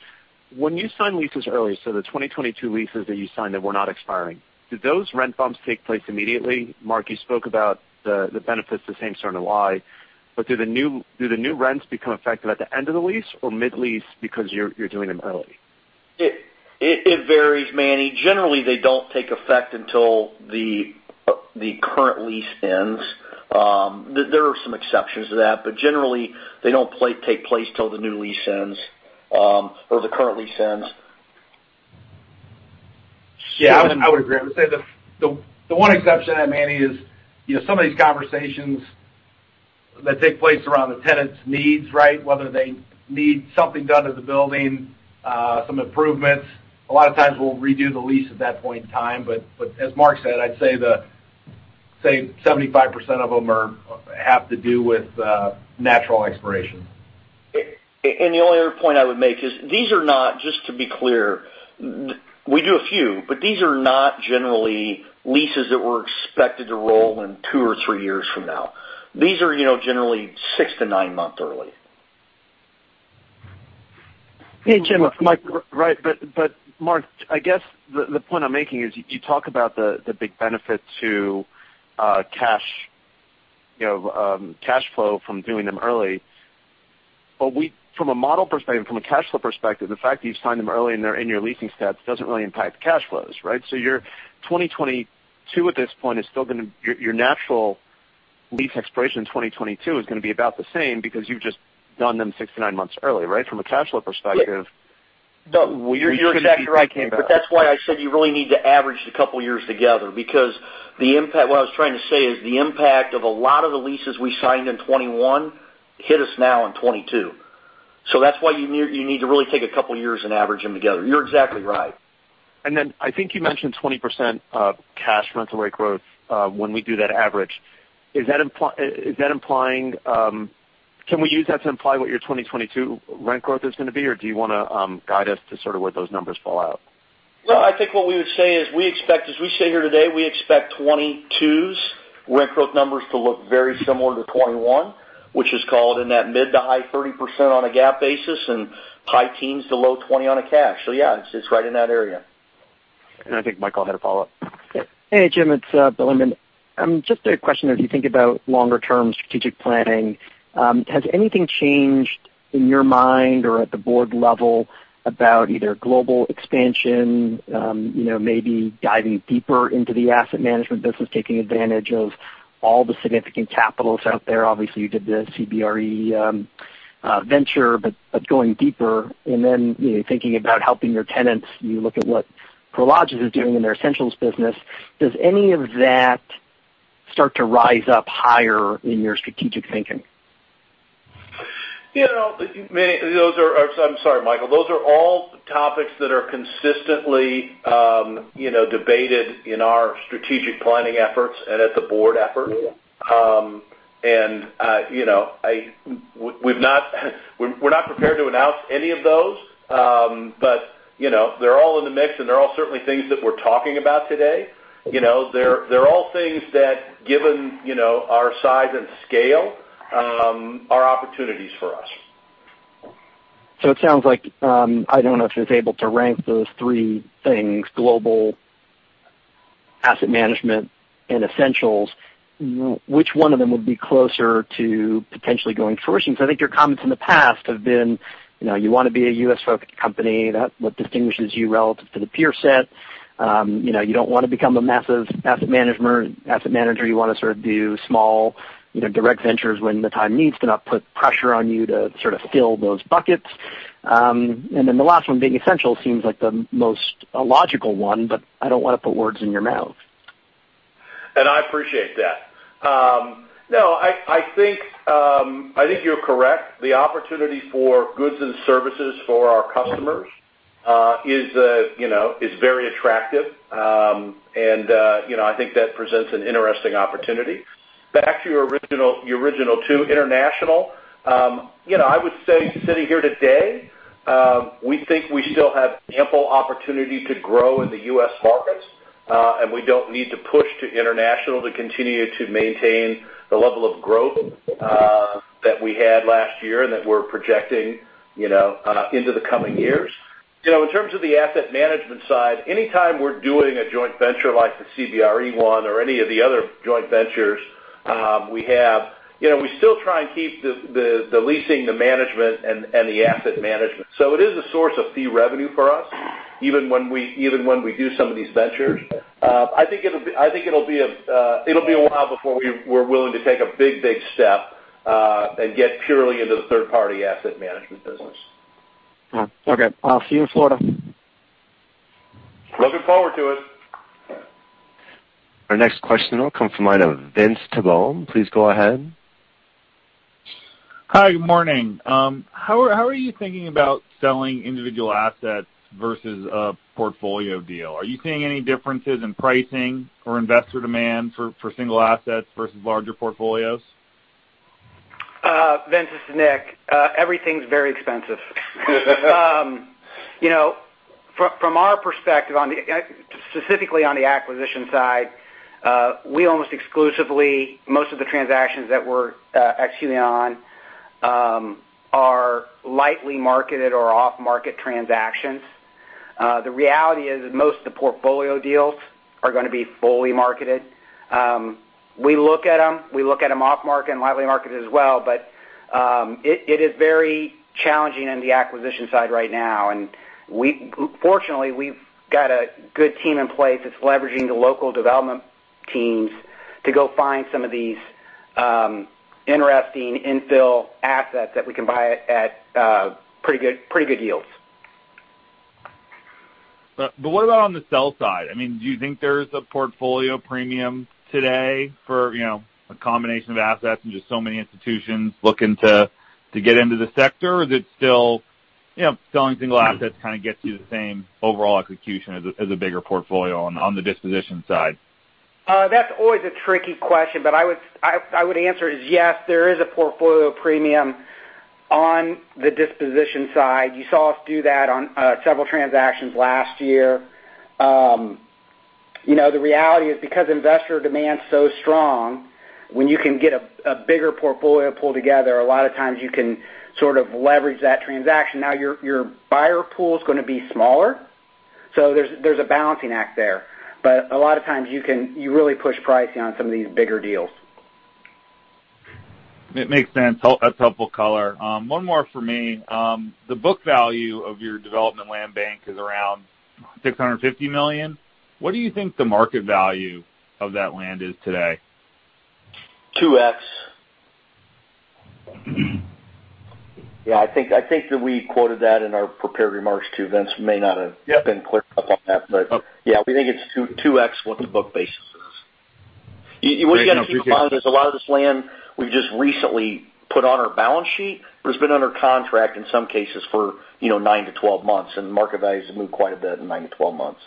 When you sign leases early, so the 2022 leases that you signed that were not expiring, do those rent bumps take place immediately? Mark, you spoke about the benefits to same-property NOI, but do the new rents become effective at the end of the lease or mid-lease because you're doing them early? It varies, Manny. Generally, they don't take effect until the current lease ends. There are some exceptions to that, but generally they don't take place till the new lease ends, or the current lease ends. Yeah, I would agree. I would say the one exception I have, Manny, is, you know, some of these conversations that take place around the tenant's needs, right? Whether they need something done to the building, some improvements, a lot of times we'll redo the lease at that point in time. As Mark said, I'd say 75% of them have to do with natural expiration. The only other point I would make is these are not, just to be clear, we do a few, but these are not generally leases that were expected to roll in two or three years from now. These are, you know, generally six-nine months early. Hey, Jim, it's Mike. Right. Mark, I guess the point I'm making is you talk about the big benefit to cash, you know, cash flow from doing them early. From a model perspective, from a cash flow perspective, the fact that you've signed them early and they're in your leasing stats doesn't really impact the cash flows, right? Your 2022 at this point is still gonna. Your natural lease expiration in 2022 is gonna be about the same because you've just done them six-nine months early, right? From a cash flow perspective. No, you're exactly right, Mike. That's why I said you really need to average the couple years together. Because what I was trying to say is the impact of a lot of the leases we signed in 2021 hit us now in 2022. That's why you need to really take a couple years and average them together. You're exactly right. I think you mentioned 20% of cash rental rate growth, when we do that average. Is that implying? Can we use that to imply what your 2022 rent growth is gonna be? Or do you wanna guide us to sort of where those numbers fall out? No, I think what we would say is we expect, as we sit here today, we expect 2022's rent growth numbers to look very similar to 2021, which is, call it, in that mid- to high-30% on a GAAP basis and high teens to low 20 on a cash. Yeah, it's right in that area. I think Michael had a follow-up. Hey, Jim, it's Blaine Heck. Just a question, as you think about longer term strategic planning, has anything changed in your mind or at the board level about either global expansion, you know, maybe diving deeper into the asset management business, taking advantage of all the significant capital out there. Obviously, you did the CBRE venture, but going deeper and then, you know, thinking about helping your tenants, you look at what Prologis is doing in their Essentials business. Does any of that start to rise up higher in your strategic thinking? You know, I'm sorry, Michael. Those are all topics that are consistently debated in our strategic planning efforts and at the board effort. We're not prepared to announce any of those. You know, they're all in the mix, and they're all certainly things that we're talking about today. You know, they're all things that given our size and scale, are opportunities for us. It sounds like I don't know if it's able to rank those three things, global asset management and essentials. Which one of them would be closer to potentially going first? Because I think your comments in the past have been, you know, you wanna be a U.S.-focused company. That's what distinguishes you relative to the peer set. You know, you don't wanna become a massive asset manager. You wanna sort of do small, you know, direct ventures when the time needs to not put pressure on you to sort of fill those buckets. Then the last one, being essential, seems like the most logical one, but I don't wanna put words in your mouth. I appreciate that. No, I think you're correct. The opportunity for goods and services for our customers, is very attractive. I think that presents an interesting opportunity. Back to your original two, international, you know, I would say sitting here today, we think we still have ample opportunity to grow in the U.S. markets, and we don't need to push to international to continue to maintain the level of growth that we had last year and that we're projecting, you know, into the coming years. You know, in terms of the asset management side, anytime we're doing a joint venture like the CBRE one or any of the other joint ventures, we have, you know, we still try and keep the leasing, the management, and the asset management. So it is a source of fee revenue for us, even when we do some of these ventures. I think it'll be a while before we're willing to take a big step and get purely into the third-party asset management business. Okay. I'll see you in Florida. Looking forward to it. Our next question will come from the line of Vince Tibone. Please go ahead. Hi. Good morning. How are you thinking about selling individual assets versus a portfolio deal? Are you seeing any differences in pricing or investor demand for single assets versus larger portfolios? Vince, it's Nick. Everything's very expensive. You know, from our perspective, specifically on the acquisition side, we almost exclusively, most of the transactions that we're executing on are lightly marketed or off-market transactions. The reality is, most of the portfolio deals are gonna be fully marketed. We look at them off-market and lightly marketed as well, but it is very challenging in the acquisition side right now. Fortunately, we've got a good team in place that's leveraging the local development teams to go find some of these interesting infill assets that we can buy at pretty good yields. What about on the sell side? I mean, do you think there's a portfolio premium today for, you know, a combination of assets and just so many institutions looking to get into the sector? Or is it still, you know, selling single assets kind of gets you the same overall execution as a bigger portfolio on the disposition side? That's always a tricky question, but I would answer is yes, there is a portfolio premium on the disposition side. You saw us do that on several transactions last year. You know, the reality is because investor demand is so strong, when you can get a bigger portfolio pulled together, a lot of times you can sort of leverage that transaction. Now, your buyer pool is gonna be smaller, so there's a balancing act there. But a lot of times you can really push pricing on some of these bigger deals. It makes sense. That's helpful color. One more for me. The book value of your development land bank is around $650 million. What do you think the market value of that land is today? 2x. Yeah, I think that we quoted that in our prepared remarks too. Vince may not have- Yep. We've been clear about that, but yeah, we think it's 2x what the book basis is. Great. You gotta keep in mind there's a lot of this land we've just recently put on our balance sheet, but it's been under contract in some cases for, you know, nine-12 months, and the market value has moved quite a bit in nine-12 months.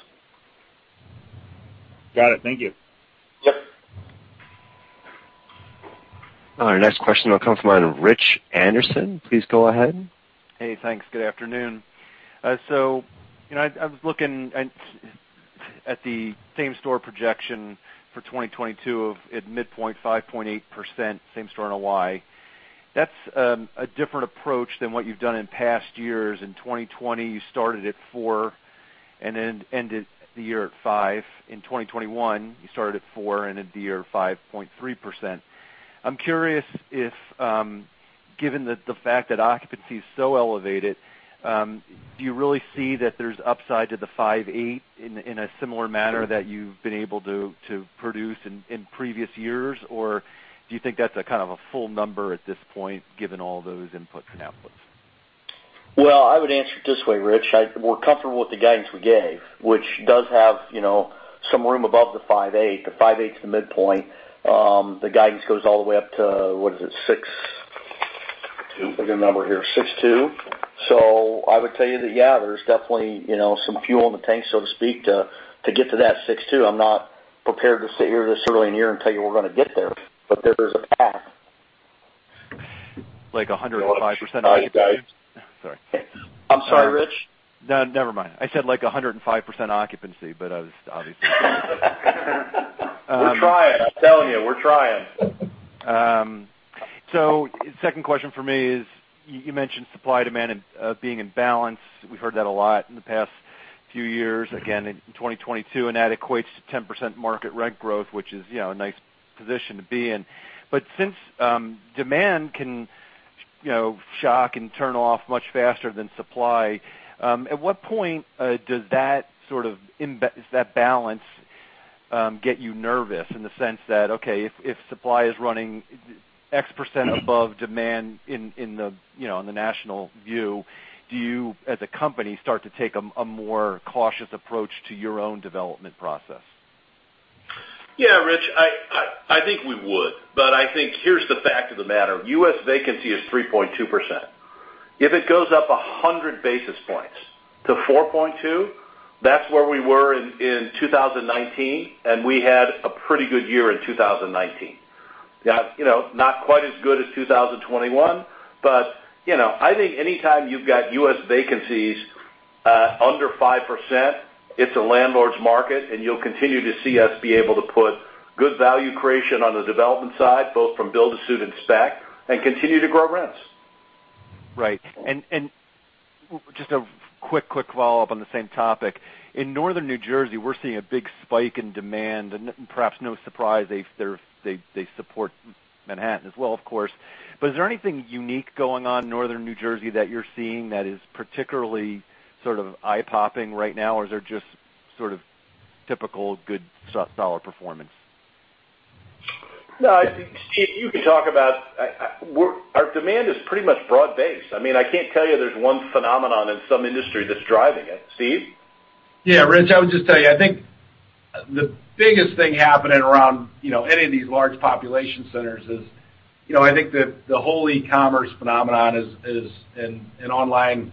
Got it. Thank you. Yep. All right, next question will come from the line of Rich Anderson. Please go ahead. Hey, thanks. Good afternoon. I was looking at the same store projection for 2022 at midpoint 5.8% same store NOI. That's a different approach than what you've done in past years. In 2020, you started at 4% and then ended the year at 5%. In 2021, you started at 4%, ended the year at 5.3%. I'm curious if, given the fact that occupancy is so elevated, do you really see that there's upside to the five-eight in a similar manner that you've been able to produce in previous years? Or do you think that's a kind of a full number at this point, given all those inputs and outputs? Well, I would answer it this way, Rich. We're comfortable with the guidance we gave, which does have, you know, some room above the 5.8%. The 5.8%'s the midpoint. The guidance goes all the way up to, what is it? 6%. Two. Look at the number here. 6.2. I would tell you that, yeah, there's definitely, you know, some fuel in the tank, so to speak, to get to that 6.2. I'm not prepared to sit here this early in the year and tell you we're gonna get there. There is a path. Like 105% occupancy? Sorry, guys. Sorry. I'm sorry, Rich? No, never mind. I said, like 105% occupancy, but I was obviously. We're trying. I'm telling you, we're trying. Second question for me is, you mentioned supply-demand being in balance. We've heard that a lot in the past few years, again, in 2022, and that equates to 10% market rent growth, which is a nice position to be in. But since demand can, you know, shock and turn off much faster than supply, at what point does that sort of balance get you nervous in the sense that, okay, if supply is running x% above demand in the national view, do you, as a company, start to take a more cautious approach to your own development process? Yeah, Rich, I think we would. I think here's the fact of the matter. U.S. vacancy is 3.2%. If it goes up 100 basis points to 4.2, that's where we were in 2019, and we had a pretty good year in 2019. Now, you know, not quite as good as 2021, but, you know, I think anytime you've got U.S. vacancies under 5%, it's a landlord's market, and you'll continue to see us be able to put good value creation on the development side, both from build-to-suit and spec, and continue to grow rents. Right. Just a quick follow-up on the same topic. In Northern New Jersey, we're seeing a big spike in demand, and perhaps no surprise they support Manhattan as well, of course. Is there anything unique going on in Northern New Jersey that you're seeing that is particularly sort of eye-popping right now, or is there just sort of typical good, so solid performance? No, I think, Steve, you can talk about our demand is pretty much broad-based. I mean, I can't tell you there's one phenomenon in some industry that's driving it. Steve? Yeah, Rich, I would just tell you, I think the biggest thing happening around any of these large population centers is, you know, I think the whole e-commerce phenomenon is and online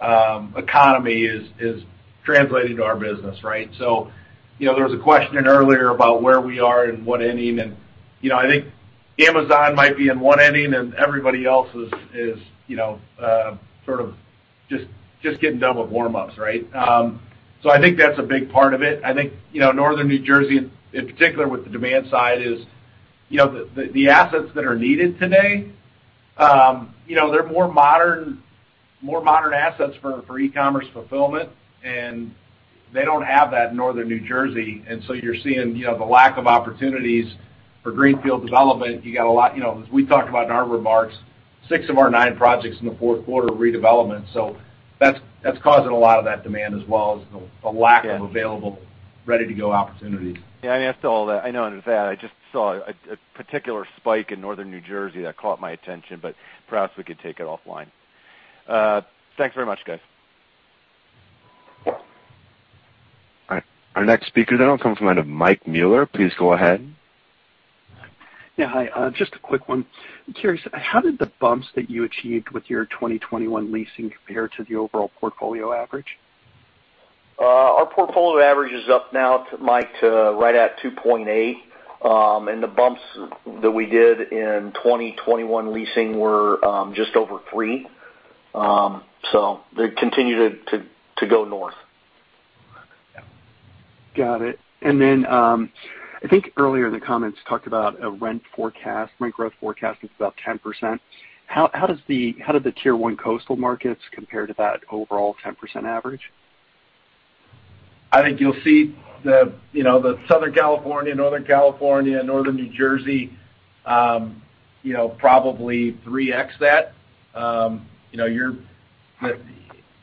economy is translating to our business, right? There was a question in earlier about where we are and what inning, and I think Amazon might be in one inning and everybody else is sort of just getting done with warm-ups, right? I think that's a big part of it. I think, you know, Northern New Jersey in particular with the demand side is the assets that are needed today, you know, they're more modern assets for e-commerce fulfillment, and they don't have that in Northern New Jersey. You're seeing, you know, the lack of opportunities for greenfield development. You got a lot, you know, as we talked about in our remarks, six of our nine projects in the fourth quarter are redevelopment. That's causing a lot of that demand as well as the lack of available ready-to-go opportunities. Yeah. I mean, that's all that. I know under that. I just saw a particular spike in Northern New Jersey that caught my attention, but perhaps we could take it offline. Thanks very much, guys. All right. Our next speaker then will come from the line of Mike Mueller. Please go ahead. Yeah. Hi. Just a quick one. I'm curious, how did the bumps that you achieved with your 2021 leasing compare to the overall portfolio average? Our portfolio average is up now, Mike, to right at 2.8, and the bumps that we did in 2021 leasing were just over three. They continue to go north. Got it. I think earlier in the comments, you talked about a rent forecast. Rent growth forecast is about 10%. How do the Tier 1 coastal markets compare to that overall 10% average? I think you'll see the Southern California, Northern California, Northern New Jersey, you know, probably 3x that. The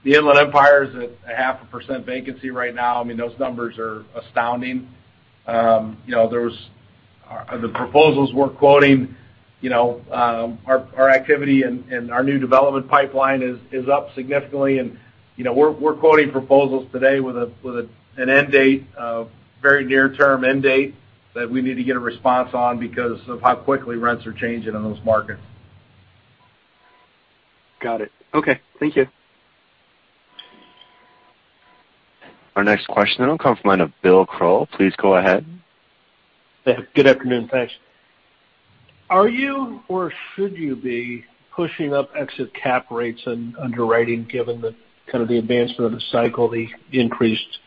Inland Empire is at 0.5% vacancy right now. I mean, those numbers are astounding. The proposals we're quoting, you know, our activity and our new development pipeline is up significantly. You know, we're quoting proposals today with an end date of very near-term that we need to get a response on because of how quickly rents are changing in those markets. Got it. Okay. Thank you. Our next question will come from the line of Bill Crow. Please go ahead. Good afternoon. Thanks. Are you or should you be pushing up exit cap rates and underwriting given the kind of the advancement of the cycle, the increased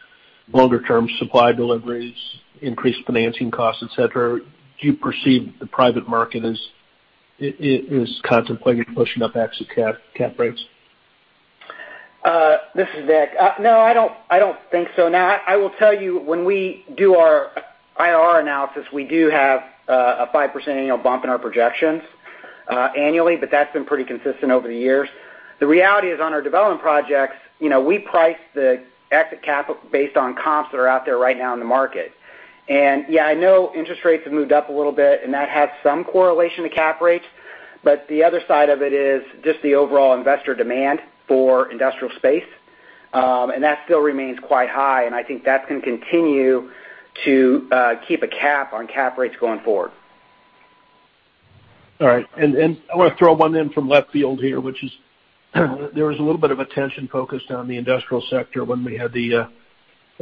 longer-term supply deliveries, increased financing costs, et cetera? Do you perceive the private market is contemplating pushing up exit cap rates? This is Nick. No, I don't think so. Now, I will tell you, when we do our IR analysis, we do have a 5% annual bump in our projections, annually, but that's been pretty consistent over the years. The reality is, on our development projects, you know, we price the exit cap based on comps that are out there right now in the market. Yeah, I know interest rates have moved up a little bit, and that has some correlation to cap rates, but the other side of it is just the overall investor demand for industrial space. That still remains quite high, and I think that's gonna continue to keep a cap on cap rates going forward. All right. I wanna throw one in from left field here, which is, there was a little bit of attention focused on the industrial sector when we had the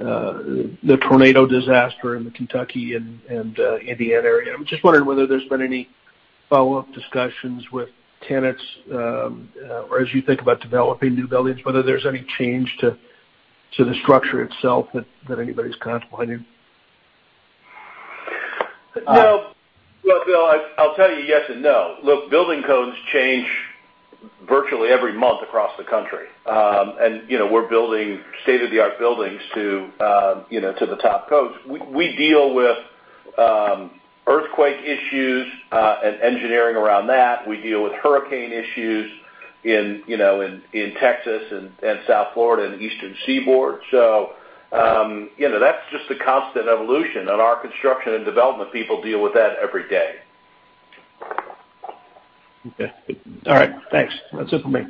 tornado disaster in the Kentucky and Indiana area. I'm just wondering whether there's been any follow-up discussions with tenants, or as you think about developing new buildings, whether there's any change to the structure itself that anybody's contemplating. No. Look, Bill, I'll tell you yes and no. Look, building codes change virtually every month across the country. You know, we're building state-of-the-art buildings to the top codes. We deal with earthquake issues and engineering around that. We deal with hurricane issues in Texas and South Florida and Eastern Seaboard. That's just the constant evolution, and our construction and development people deal with that every day. Okay. All right. Thanks. That's it for me.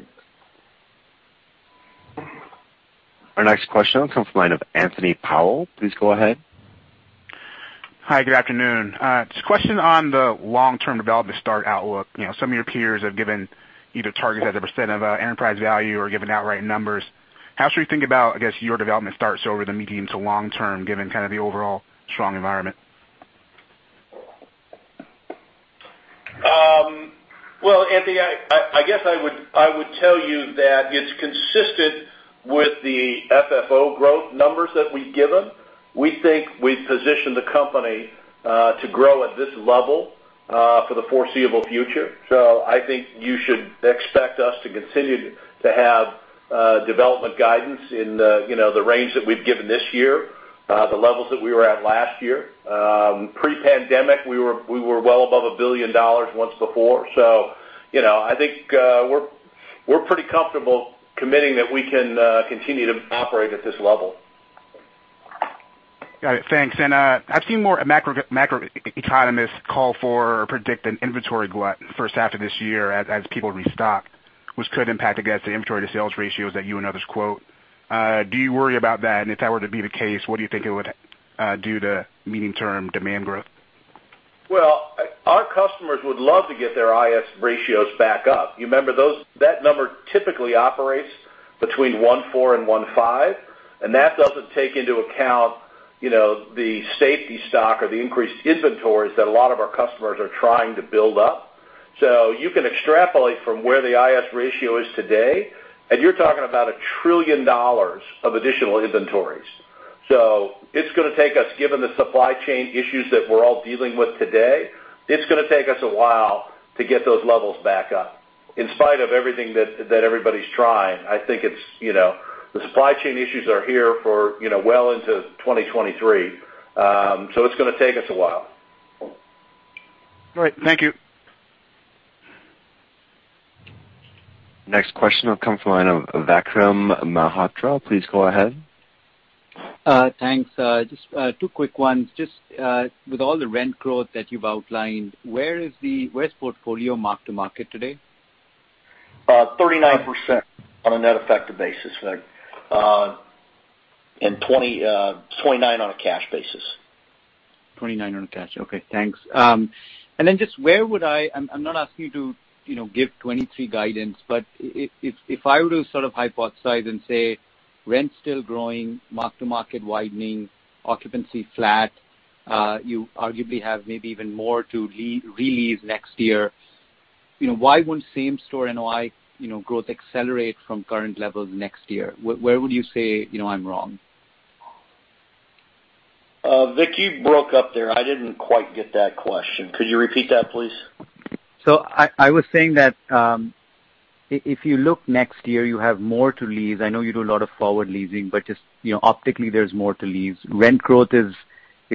Our next question comes from the line of Anthony Powell. Please go ahead. Hi, good afternoon. Just a question on the long-term development start outlook. You know, some of your peers have given either targets as a % of enterprise value or given outright numbers. How should we think about, I guess, your development starts over the medium to long term, given kind of the overall strong environment? Well, Anthony, I guess I would tell you that it's consistent with the FFO growth numbers that we've given. We think we've positioned the company to grow at this level for the foreseeable future. I think you should expect us to continue to have development guidance in the, you know, the range that we've given this year, the levels that we were at last year. Pre-pandemic, we were well above $1 billion once before. You know, I think we're pretty comfortable committing that we can continue to operate at this level. Got it. Thanks. I've seen more macroeconomists call for or predict an inventory glut first half of this year as people restock, which could impact, I guess, the inventory to sales ratios that you and others quote. Do you worry about that? If that were to be the case, what do you think it would do to medium-term demand growth? Well, our customers would love to get their I/S ratios back up. You remember those. That number typically operates between 1.4 and 1.5, and that doesn't take into account, you know, the safety stock or the increased inventories that a lot of our customers are trying to build up. You can extrapolate from where the I/S ratio is today, and you're talking about $1 trillion of additional inventories. It's gonna take us, given the supply chain issues that we're all dealing with today, a while to get those levels back up. In spite of everything that everybody's trying, I think it's, you know, the supply chain issues are here for, you know, well into 2023. It's gonna take us a while. All right. Thank you. Next question will come from the line of Vikram Malhotra. Please go ahead. Thanks. Just two quick ones. Just with all the rent growth that you've outlined, where's portfolio mark-to-market today? 39% on a net effective basis, Vic. 29% on a cash basis. 29 on a cash. Okay, thanks. Then just where would I. I'm not asking you to, you know, give 2023 guidance, but if I were to sort of hypothesize and say rent's still growing, mark-to-market widening, occupancy flat, you arguably have maybe even more to re-release next year. You know, why won't same-property NOI, you know, growth accelerate from current levels next year? Where would you say, you know, I'm wrong? Vic, you broke up there. I didn't quite get that question. Could you repeat that, please? I was saying that if you look next year, you have more to lease. I know you do a lot of forward leasing, but just optically there's more to lease. Rent growth is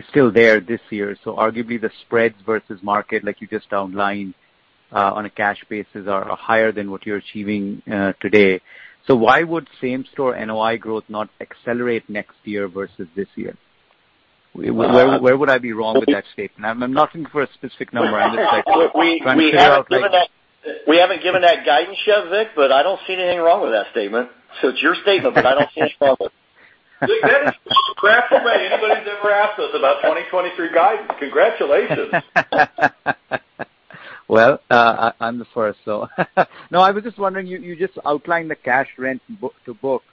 still there this year. Arguably the spreads versus market, like you just outlined, on a cash basis are higher than what you're achieving today. Why would same-property NOI growth not accelerate next year versus this year? Where would I be wrong with that statement? I'm not looking for a specific number. I'm just like- We haven't given that. Trying to figure out like. We haven't given that guidance yet, Vic, but I don't see anything wrong with that statement. It's your statement, but I don't see an issue with it. Vic, that is perhaps the way anybody's ever asked us about 2023 guidance. Congratulations. Well, I'm the first, so. No, I was just wondering, you just outlined the cash rent b-to book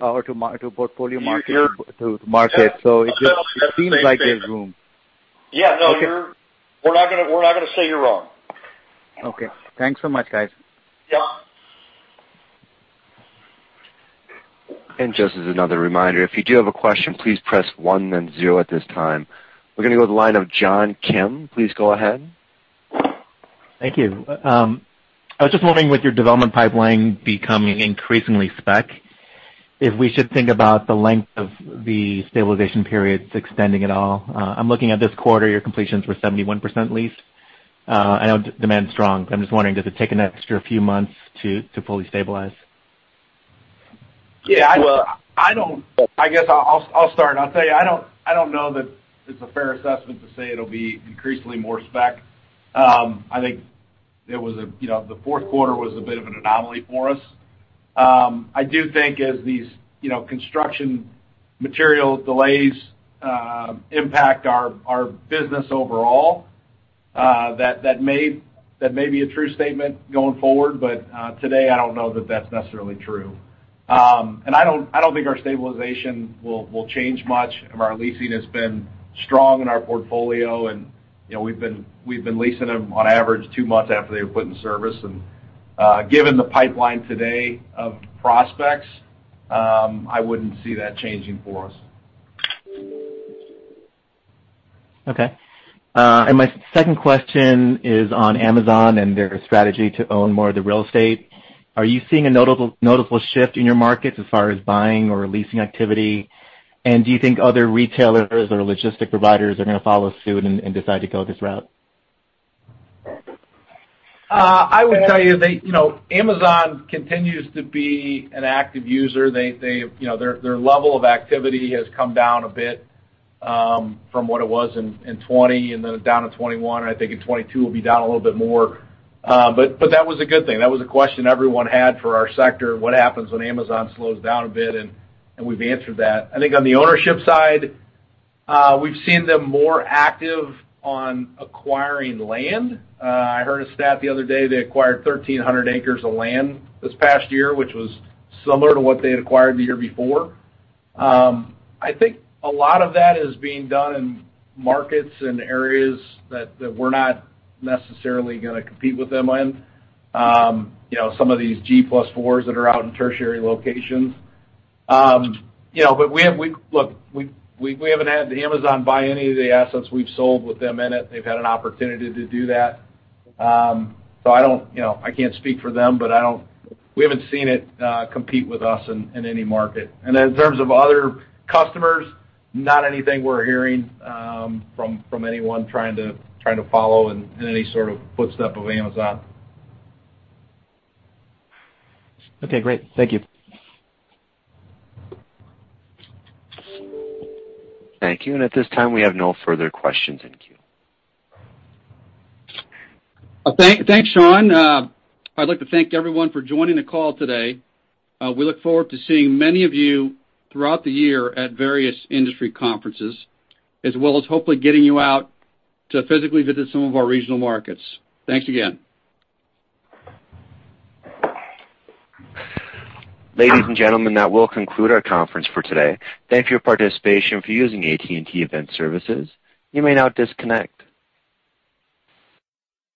or to mar to portfolio market. You're, you're- To market. That's the same thing. It seems like there's room. Yeah. No. Okay. We're not gonna say you're wrong. Okay. Thanks so much, guys. Yeah. Just as another reminder, if you do have a question, please press 1 then 0 at this time. We're gonna go to the line of John Kim. Please go ahead. Thank you. I was just wondering, with your development pipeline becoming increasingly spec, if we should think about the length of the stabilization periods extending at all. I'm looking at this quarter, your completions were 71% leased. I know demand's strong. I'm just wondering, does it take an extra few months to fully stabilize? Yeah. Well, I guess I'll start. I'll tell you, I don't know that it's a fair assessment to say it'll be increasingly more spec. I think it was, you know, the fourth quarter was a bit of an anomaly for us. I do think as these, you know, construction material delays impact our business overall, that may be a true statement going forward. Today, I don't know that that's necessarily true. I don't think our stabilization will change much. Our leasing has been strong in our portfolio and, you know, we've been leasing them on average two months after they were put in service. Given the pipeline today of prospects, I wouldn't see that changing for us. Okay. My second question is on Amazon and their strategy to own more of the real estate. Are you seeing a notable, noticeable shift in your markets as far as buying or leasing activity? Do you think other retailers or logistics providers are gonna follow suit and decide to go this route? I would tell you Amazon continues to be an active user. They've, you know, their level of activity has come down a bit, from what it was in 2020, and then down in 2021, and I think in 2022 will be down a little bit more. That was a good thing. That was a question everyone had for our sector. What happens when Amazon slows down a bit? We've answered that. I think on the ownership side, we've seen them more active on acquiring land. I heard a stat the other day, they acquired 1,300 acres of land this past year, which was similar to what they had acquired the year before. I think a lot of that is being done in markets and areas that we're not necessarily gonna compete with them in. You know, some of these Gen 4+ that are out in tertiary locations. You know, but we have. Look, we haven't had Amazon buy any of the assets we've sold with them in it. They've had an opportunity to do that. So I don't, you know, I can't speak for them, but I don't. We haven't seen it compete with us in any market. In terms of other customers, not anything we're hearing from anyone trying to follow in any sort of footstep of Amazon. Okay, great. Thank you. Thank you. At this time, we have no further questions in queue. Thanks, Sean. I'd like to thank everyone for joining the call today. We look forward to seeing many of you throughout the year at various industry conferences, as well as hopefully getting you out to physically visit some of our regional markets. Thanks again. Ladies and gentlemen, that will conclude our conference for today. Thank you for your participation for using AT&T Event Services. You may now disconnect.